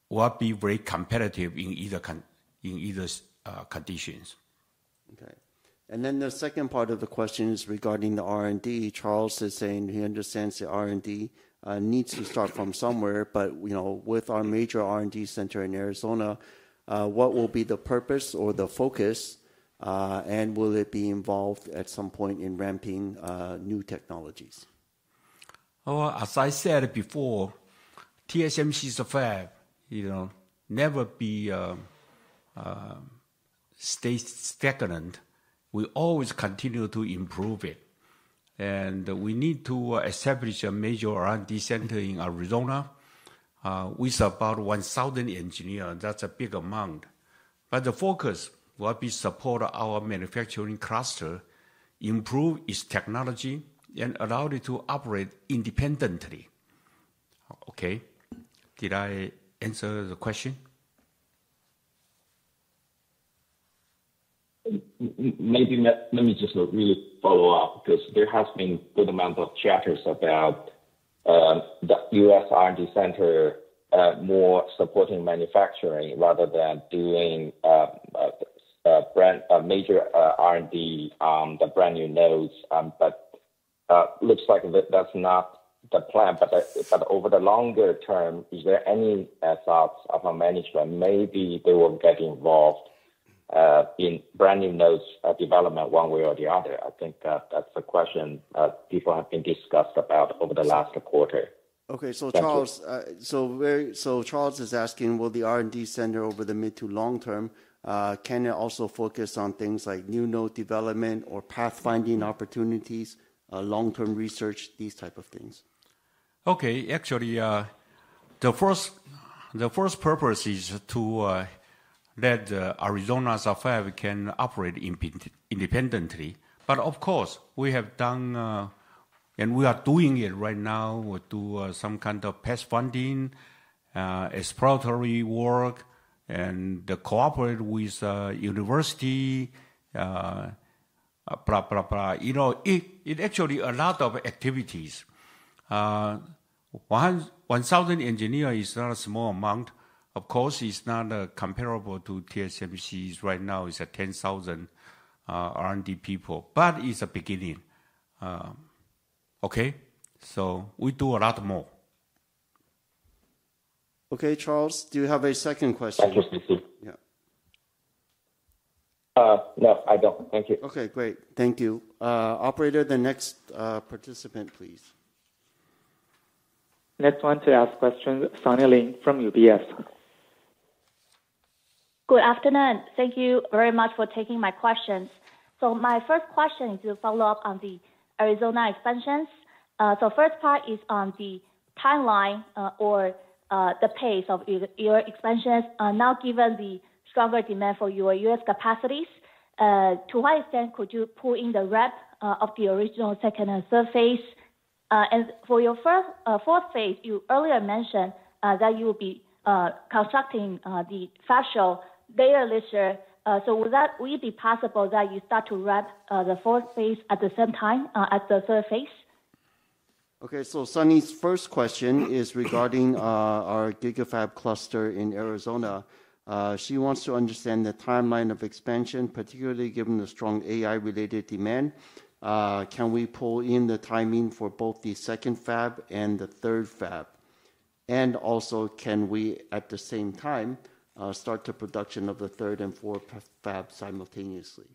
will be very competitive in either condition. The second part of the question is regarding the R&D. Charles is saying he understands the R&D needs to start from somewhere, but with our major R&D center in Arizona, what will be the purpose or the focus, and will it be involved at some point in ramping new technologies? As I said before, TSMC's fair will never be stagnant. We always continue to improve it. We need to establish a major R&D center in Arizona with about 1,000 engineers. That is a big amount. The focus will be to support our manufacturing cluster, improve its technology, and allow it to operate independently. Did I answer the question? Maybe let me just really follow up because there has been a good amount of chatters about the U.S. R&D center more supporting manufacturing rather than doing major R&D on the brand new nodes. It looks like that's not the plan. Over the longer term, is there any thoughts of our management? Maybe they will get involved in brand new nodes development one way or the other. I think that's a question people have been discussed about over the last quarter. Okay, so Charles is asking, will the R&D center over the mid to long term can it also focus on things like new node development or pathfinding opportunities, long-term research, these types of things? Actually, the first purpose is to let Arizona's fab we can operate independently. Of course, we have done and we are doing it right now. We'll do some kind of pest funding, exploratory work, and cooperate with university, blah, blah, blah. It actually a lot of activities. 1,000 engineers is not a small amount. Of course, it's not comparable to TSMC's right now. It's a 10,000 R&D people, but it's a beginning. Okay, so we do a lot more. Okay, Charles, do you have a second question? No, I don't. Thank you. Okay, great. Thank you. Operator, the next participant, please. Next one to ask questions, Sunny Lin from UBS. Good afternoon. Thank you very much for taking my questions. My first question is to follow up on the Arizona expansions. First part is on the timeline or the pace of your expansions. Now, given the stronger demand for your U.S. capacities, to what extent could you pull in the rep of the original second and third phase? For your fourth phase, you earlier mentioned that you will be constructing the fascial layer lister. Would that be possible that you start to wrap the fourth phase at the same time as the third phase? Sunny's first question is regarding our GIGAFAB cluster in Arizona. She wants to understand the timeline of expansion, particularly given the strong AI-related demand. Can we pull in the timing for both the second fab and the third fab? Also, can we at the same time start the production of the third and fourth fab simultaneously?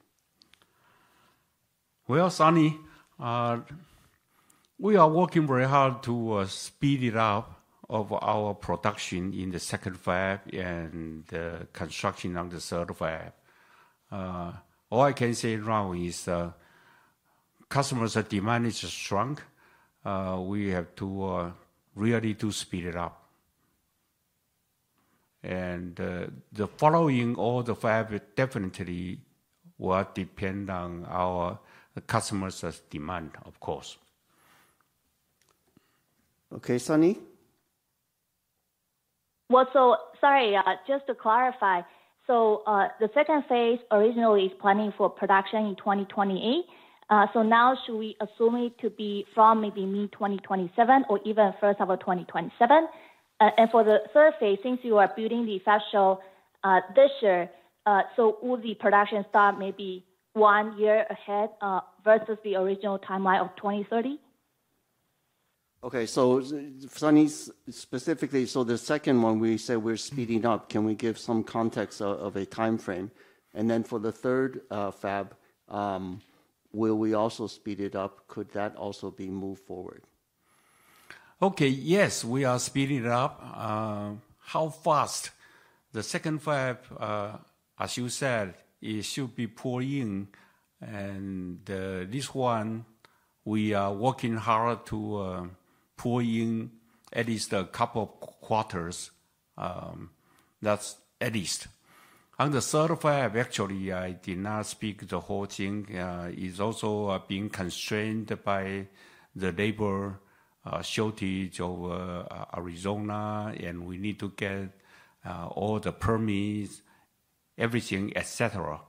Sunny, we are working very hard to speed it up of our production in the second fab and the construction on the third fab. All I can say now is customers' demand is strong. We have to really do speed it up. The following, all the fab definitely will depend on our customers' demand, of course. Okay, Sunny? Sorry, just to clarify. The second phase originally is planning for production in 2028. Now should we assume it to be from maybe mid-2027 or even first of 2027? For the third phase, since you are building the fascial this year, will the production start maybe one year ahead versus the original timeline of 2030? Sunny, specifically, the second one, we said we're speeding up. Can we give some context of a timeframe? For the third fab, will we also speed it up? Could that also be moved forward? Yes, we are speeding it up. How fast? The second fab, as you said, it should be pulling. This one, we are working hard to pull in at least a couple of quarters. That's at least. On the third fab, actually, I did not speak the whole thing. It is also being constrained by the labor shortage over Arizona, and we need to get all the permits, everything, etc.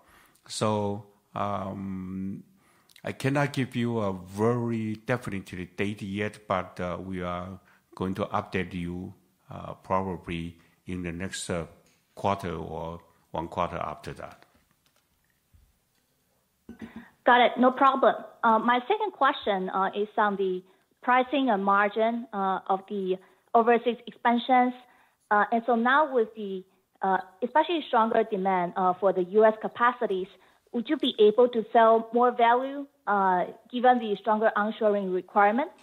I cannot give you a very definite date yet, but we are going to update you probably in the next quarter or one quarter after that. Got it. No problem. My second question is on the pricing and margin of the overseas expansions. Now with the especially stronger demand for the U.S capacities, would you be able to sell more value given the stronger onshoring requirements?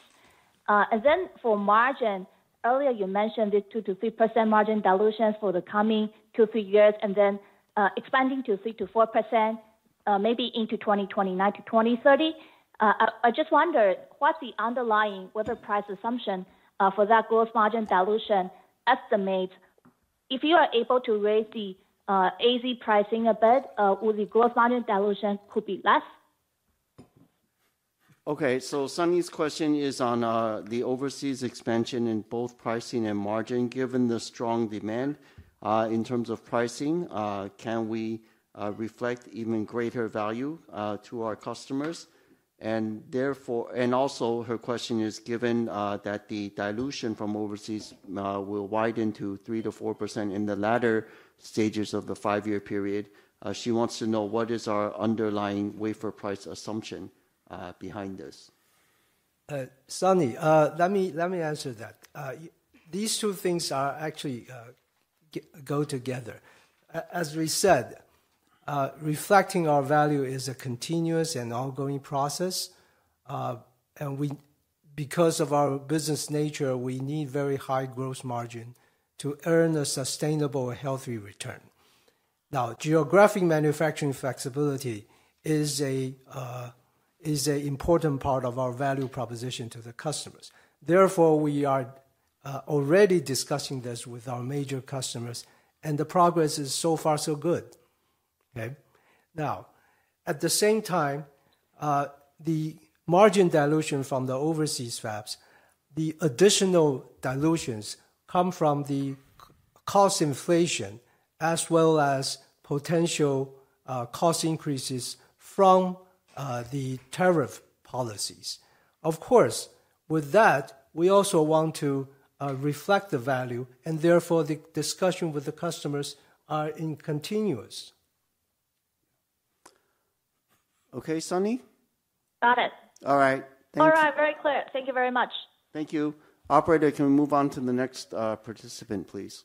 For margin, earlier you mentioned this 2-3% margin dilution for the coming two to three years, and then expanding to 3-4% maybe into 2029 to 2030. I just wondered what the underlying wafer price assumption for that gross margin dilution estimates is. If you are able to raise the Arizona pricing a bit, would the gross margin dilution be less? Sunny's question is on the overseas expansion in both pricing and margin. Given the strong demand in terms of pricing, can we reflect even greater value to our customers? Also, her question is given that the dilution from overseas will widen to 3-4% in the latter stages of the five-year period. She wants to know what is our underlying wafer price assumption behind this. Sunny, let me answer that. These two things actually go together. As we said, reflecting our value is a continuous and ongoing process. Because of our business nature, we need very high gross margin to earn a sustainable and healthy return. Now, geographic manufacturing flexibility is an important part of our value proposition to the customers. Therefore, we are already discussing this with our major customers, and the progress is so far so good. At the same time, the margin dilution from the overseas fabs, the additional dilutions come from the cost inflation as well as potential cost increases from the tariff policies. Of course, with that, we also want to reflect the value, and therefore the discussion with the customers are continuous. Okay, Sunny? Got it. All right. Thank you. All right. Very clear. Thank you very much. Thank you. Operator, can we move on to the next participant, please?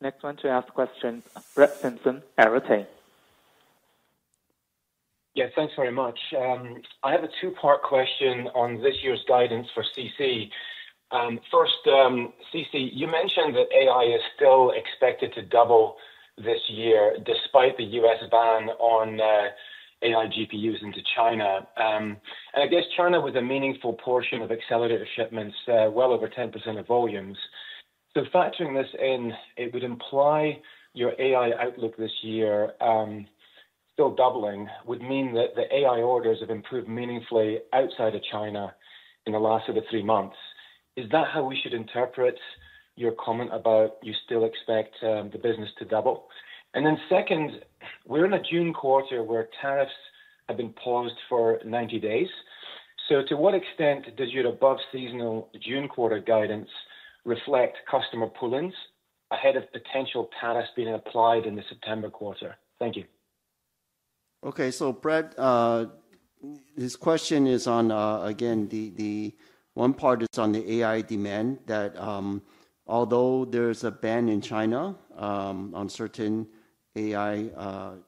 Next one to ask question, Brett Simpson, Arete Research Yes, thanks very much. I have a two-part question on this year's guidance for C.C. First, C.C., you mentioned that AI is still expected to double this year despite the U.S. ban on AI GPUs into China. I guess China was a meaningful portion of accelerator shipments, well over 10% of volumes. Factoring this in, it would imply your AI outlook this year still doubling would mean that the AI orders have improved meaningfully outside of China in the last three months. Is that how we should interpret your comment about you still expect the business to double? Second, we're in a June quarter where tariffs have been paused for 90 days. To what extent does your above-seasonal June quarter guidance reflect customer pullings ahead of potential tariffs being applied in the September quarter? Thank you. Okay, so Brett, his question is on, again, the one part is on the AI demand that although there's a ban in China on certain AI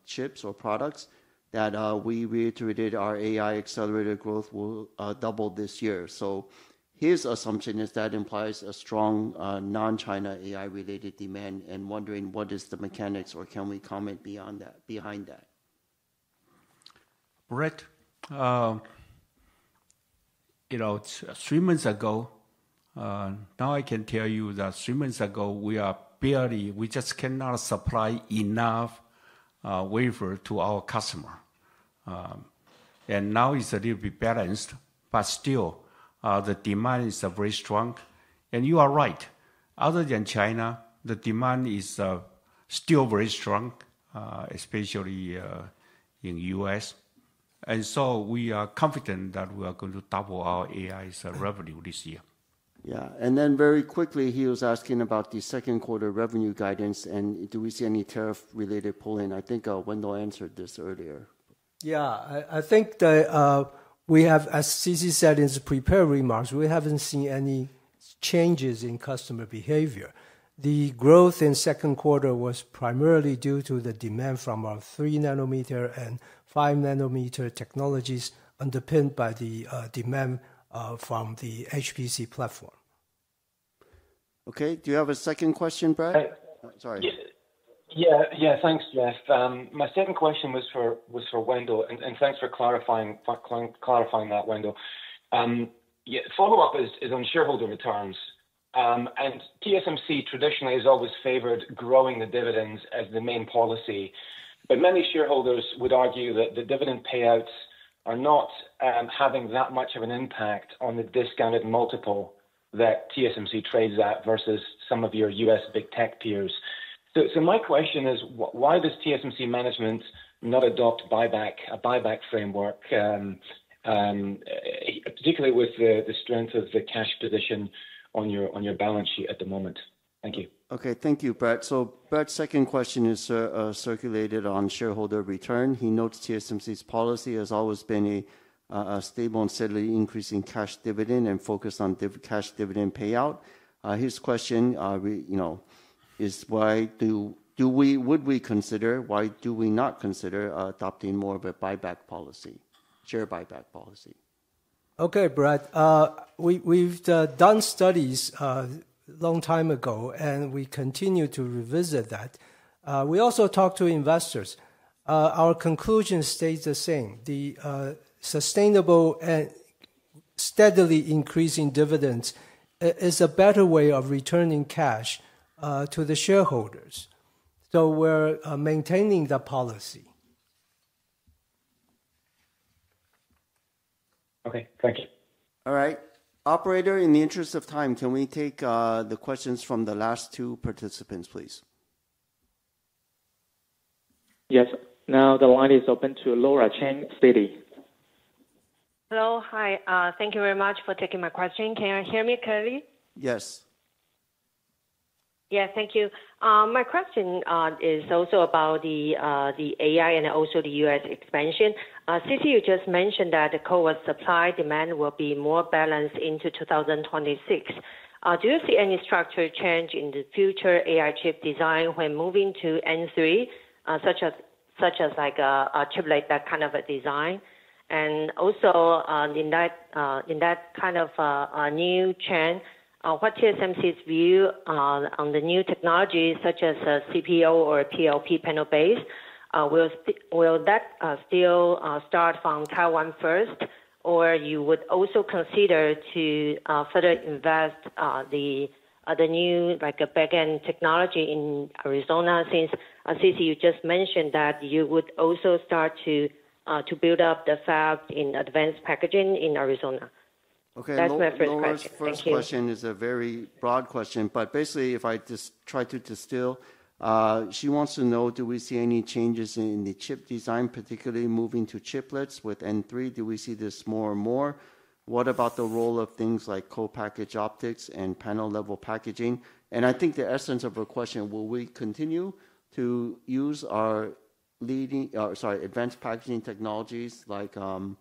chips or products, that we reiterated our AI accelerator growth will double this year. His assumption is that implies a strong non-China AI-related demand and wondering what is the mechanics or can we comment behind that? Brett, three months ago, now I can tell you that three months ago, we just cannot supply enough wafer to our customer. Now it's a little bit balanced, but still, the demand is very strong. You are right. Other than China, the demand is still very strong, especially in the U.S. We are confident that we are going to double our AI revenue this year. Yeah. Then very quickly, he was asking about the second quarter revenue guidance and do we see any tariff-related pulling? I think Wendell answered this earlier. Yeah, I think that we have, as C.C. Wei said in the prepared remarks, we haven't seen any changes in customer behavior. The growth in second quarter was primarily due to the demand from our 3-nanometer and 5-nanometer technologies underpinned by the demand from the HPC platform. Okay, do you have a second question, Brett? Sorry. Yeah, yeah, thanks, Jeff. My second question was for Wendell, and thanks for clarifying that, Wendell. Follow-up is on shareholder returns. TSMC traditionally has always favored growing the dividends as the main policy. Many shareholders would argue that the dividend payouts are not having that much of an impact on the discounted multiple that TSMC trades at versus some of your U.S. big tech peers. My question is, why does TSMC management not adopt a buyback framework, particularly with the strength of the cash position on your balance sheet at the moment? Thank you. Thank you, Brett. Brett's second question is circulated on shareholder return. He notes TSMC's policy has always been a stable and steadily increasing cash dividend and focused on cash dividend payout. His question is, why do we consider? Why do we not consider adopting more of a buyback policy, share buyback policy? Brett, we've done studies a long time ago, and we continue to revisit that. We also talked to investors. Our conclusion stays the same. The sustainable and steadily increasing dividends is a better way of returning cash to the shareholders. We're maintaining the policy. Thank you. All right. Operator, in the interest of time, can we take the questions from the last two participants, please? Yes. Now the line is open to Laura Chen, Citi. Hello, hi. Thank you very much for taking my question. Can you hear me clearly? Yes. Yeah, thank you. My question is also about the AI and also the U.S. expansion. C.C., you just mentioned that the core supply demand will be more balanced into 2026. Do you see any structural change in the future AI chip design when moving to N3, such as a chip like that kind of a design? Also, in that kind of new trend, what is TSMC's view on the new technology, such as CPO or PLP panel base? Will that still start from Taiwan first, or would you also consider to further invest the new backend technology in Arizona? Since C.C., you just mentioned that you would also start to build up the fab in advanced packaging in Arizona. Okay, Laura, first question. Thank you. First question is a very broad question, but basically, if I just try to distill, she wants to know, do we see any changes in the chip design, particularly moving to chiplets with N3? Do we see this more and more? What about the role of things like co-package optics and panel-level packaging? I think the essence of her question, will we continue to use our leading or, sorry, advanced packaging technologies like CoWoS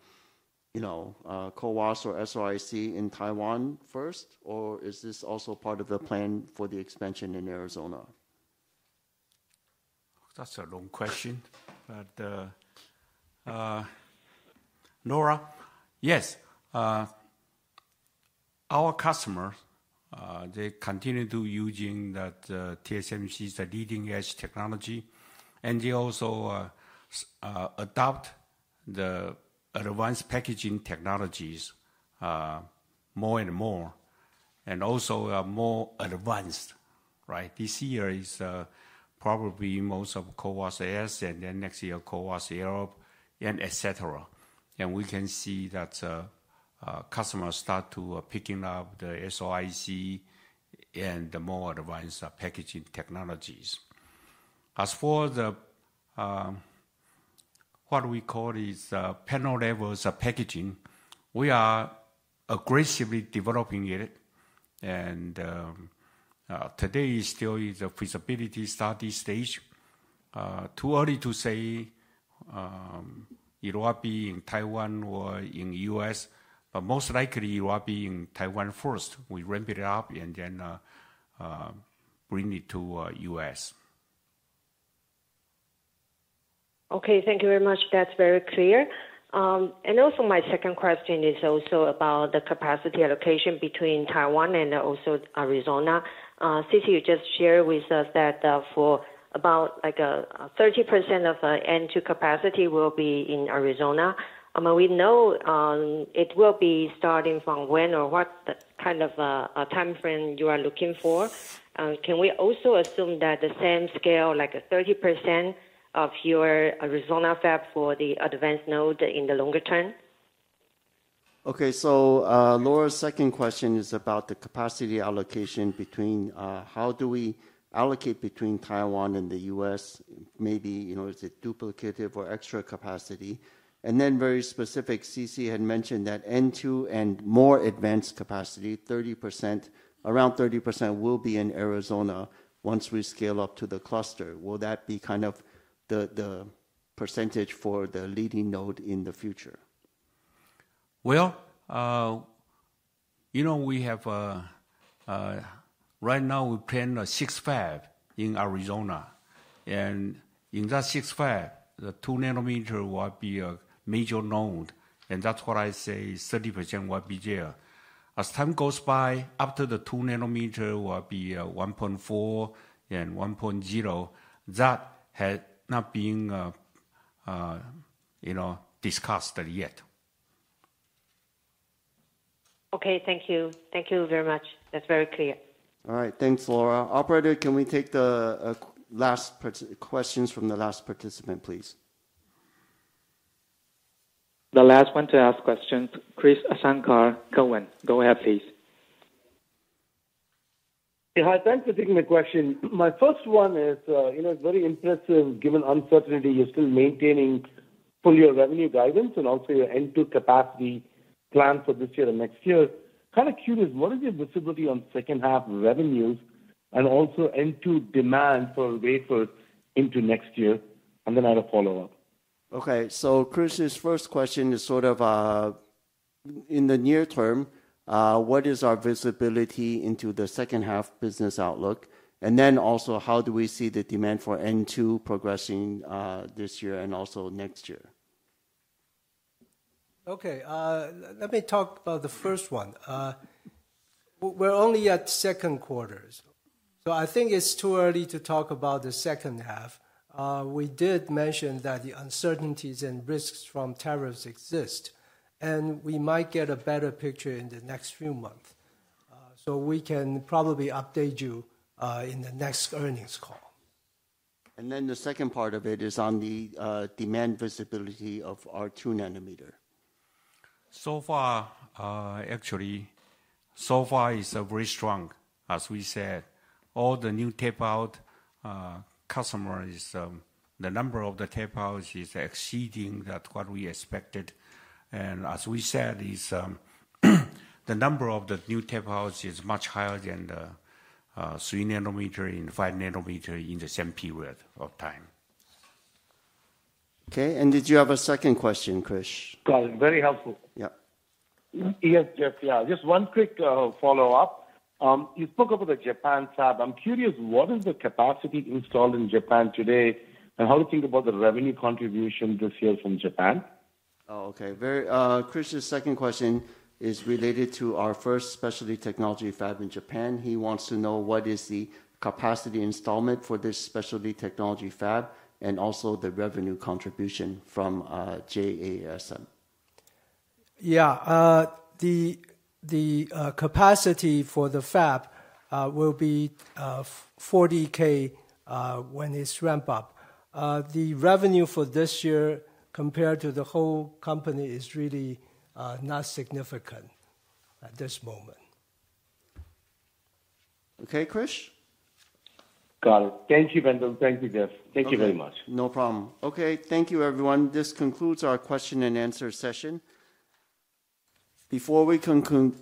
or SRIC in Taiwan first, or is this also part of the plan for the expansion in Arizona? That is a long question. Laura, yes. Our customers, they continue to use TSMC's leading-edge technology, and they also adopt the advanced packaging technologies more and more, and also are more advanced. This year is probably most of CoWoS S, then next year, CoWoS Europe, etc. We can see that customers start to pick up the SRIC and the more advanced packaging technologies. As for what we call panel-level packaging, we are aggressively developing it. Today it still is a feasibility study stage. Too early to say it will be in Taiwan or in the U.S., but most likely it will be in Taiwan first. We ramp it up and then bring it to the U.S. Thank you very much. That is very clear. Also, my second question is about the capacity allocation between Taiwan and also Arizona. C.C., you just shared with us that about 30% of N2 capacity will be in Arizona. We know it will be starting from when or what kind of a timeframe you are looking for. Can we also assume that the same scale, like 30% of your Arizona fab for the advanced node in the longer term? Okay, so Laura's second question is about the capacity allocation between how do we allocate between Taiwan and the U.S.? Maybe is it duplicative or extra capacity? Then very specific, C.C. had mentioned that N2 and more advanced capacity, 30%, around 30% will be in Arizona once we scale up to the cluster. Will that be kind of the percentage for the leading node in the future? We have right now we plan a six fab in Arizona. And in that six fab, the two nanometer will be a major node. That is what I say, 30% will be there. As time goes by, after the two nanometer will be 1.4 and 1.0. That has not been discussed yet. Okay, thank you. Thank you very much. That's very clear. All right, thanks, Laura. Operator, can we take the last questions from the last participant, please? The last one to ask questions, Chris Asankar Cohen. Go ahead, please. Yeah, thanks for taking my question. My first one is, it's very impressive given uncertainty, you're still maintaining full revenue guidance and also your N2 capacity plan for this year and next year. Kind of curious, what is your visibility on second-half revenues and also N2 demand for wafers into next year? And then I have a follow-up. Okay, so Chris's first question is sort of in the near term, what is our visibility into the second-half business outlook? And then also, how do we see the demand for N2 progressing this year and also next year? Okay, let me talk about the first one. We're only at second quarters. I think it's too early to talk about the second half. We did mention that the uncertainties and risks from tariffs exist, and we might get a better picture in the next few months. We can probably update you in the next earnings call. The second part of it is on the demand visibility of our two nanometer. So far, actually, so far is very strong, as we said. All the new tape-out customers, the number of the tape-outs is exceeding what we expected. As we said, the number of the new tape-outs is much higher than the three nanometer and five nanometer in the same period of time. Okay, did you have a second question, Chris? Got it. Very helpful. Yes, Jeff, yeah. Just one quick follow-up. You spoke about the Japan fab. I'm curious, what is the capacity installed in Japan today? How do you think about the revenue contribution this year from Japan? Okay. Chris's second question is related to our first specialty technology fab in Japan. He wants to know what is the capacity installment for this specialty technology fab and also the revenue contribution from JASM. The capacity for the fab will be 40K when it is ramped up. The revenue for this year compared to the whole company is really not significant at this moment. Okay, Chris? Got it. Thank you, Wendell. Thank you, Jeff. Thank you very much. No problem. Thank you, everyone. This concludes our question and answer session. Before we conclude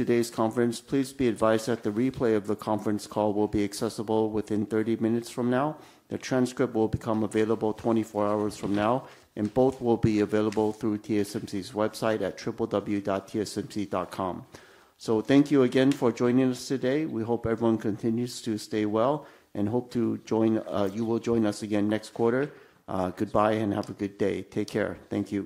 today's conference, please be advised that the replay of the conference call will be accessible within 30 minutes from now. The transcript will become available 24 hours from now, and both will be available through TSMC's website at www.tsmc.com. Thank you again for joining us today. We hope everyone continues to stay well and hope you will join us again next quarter. Goodbye and have a good day. Take care. Thank you.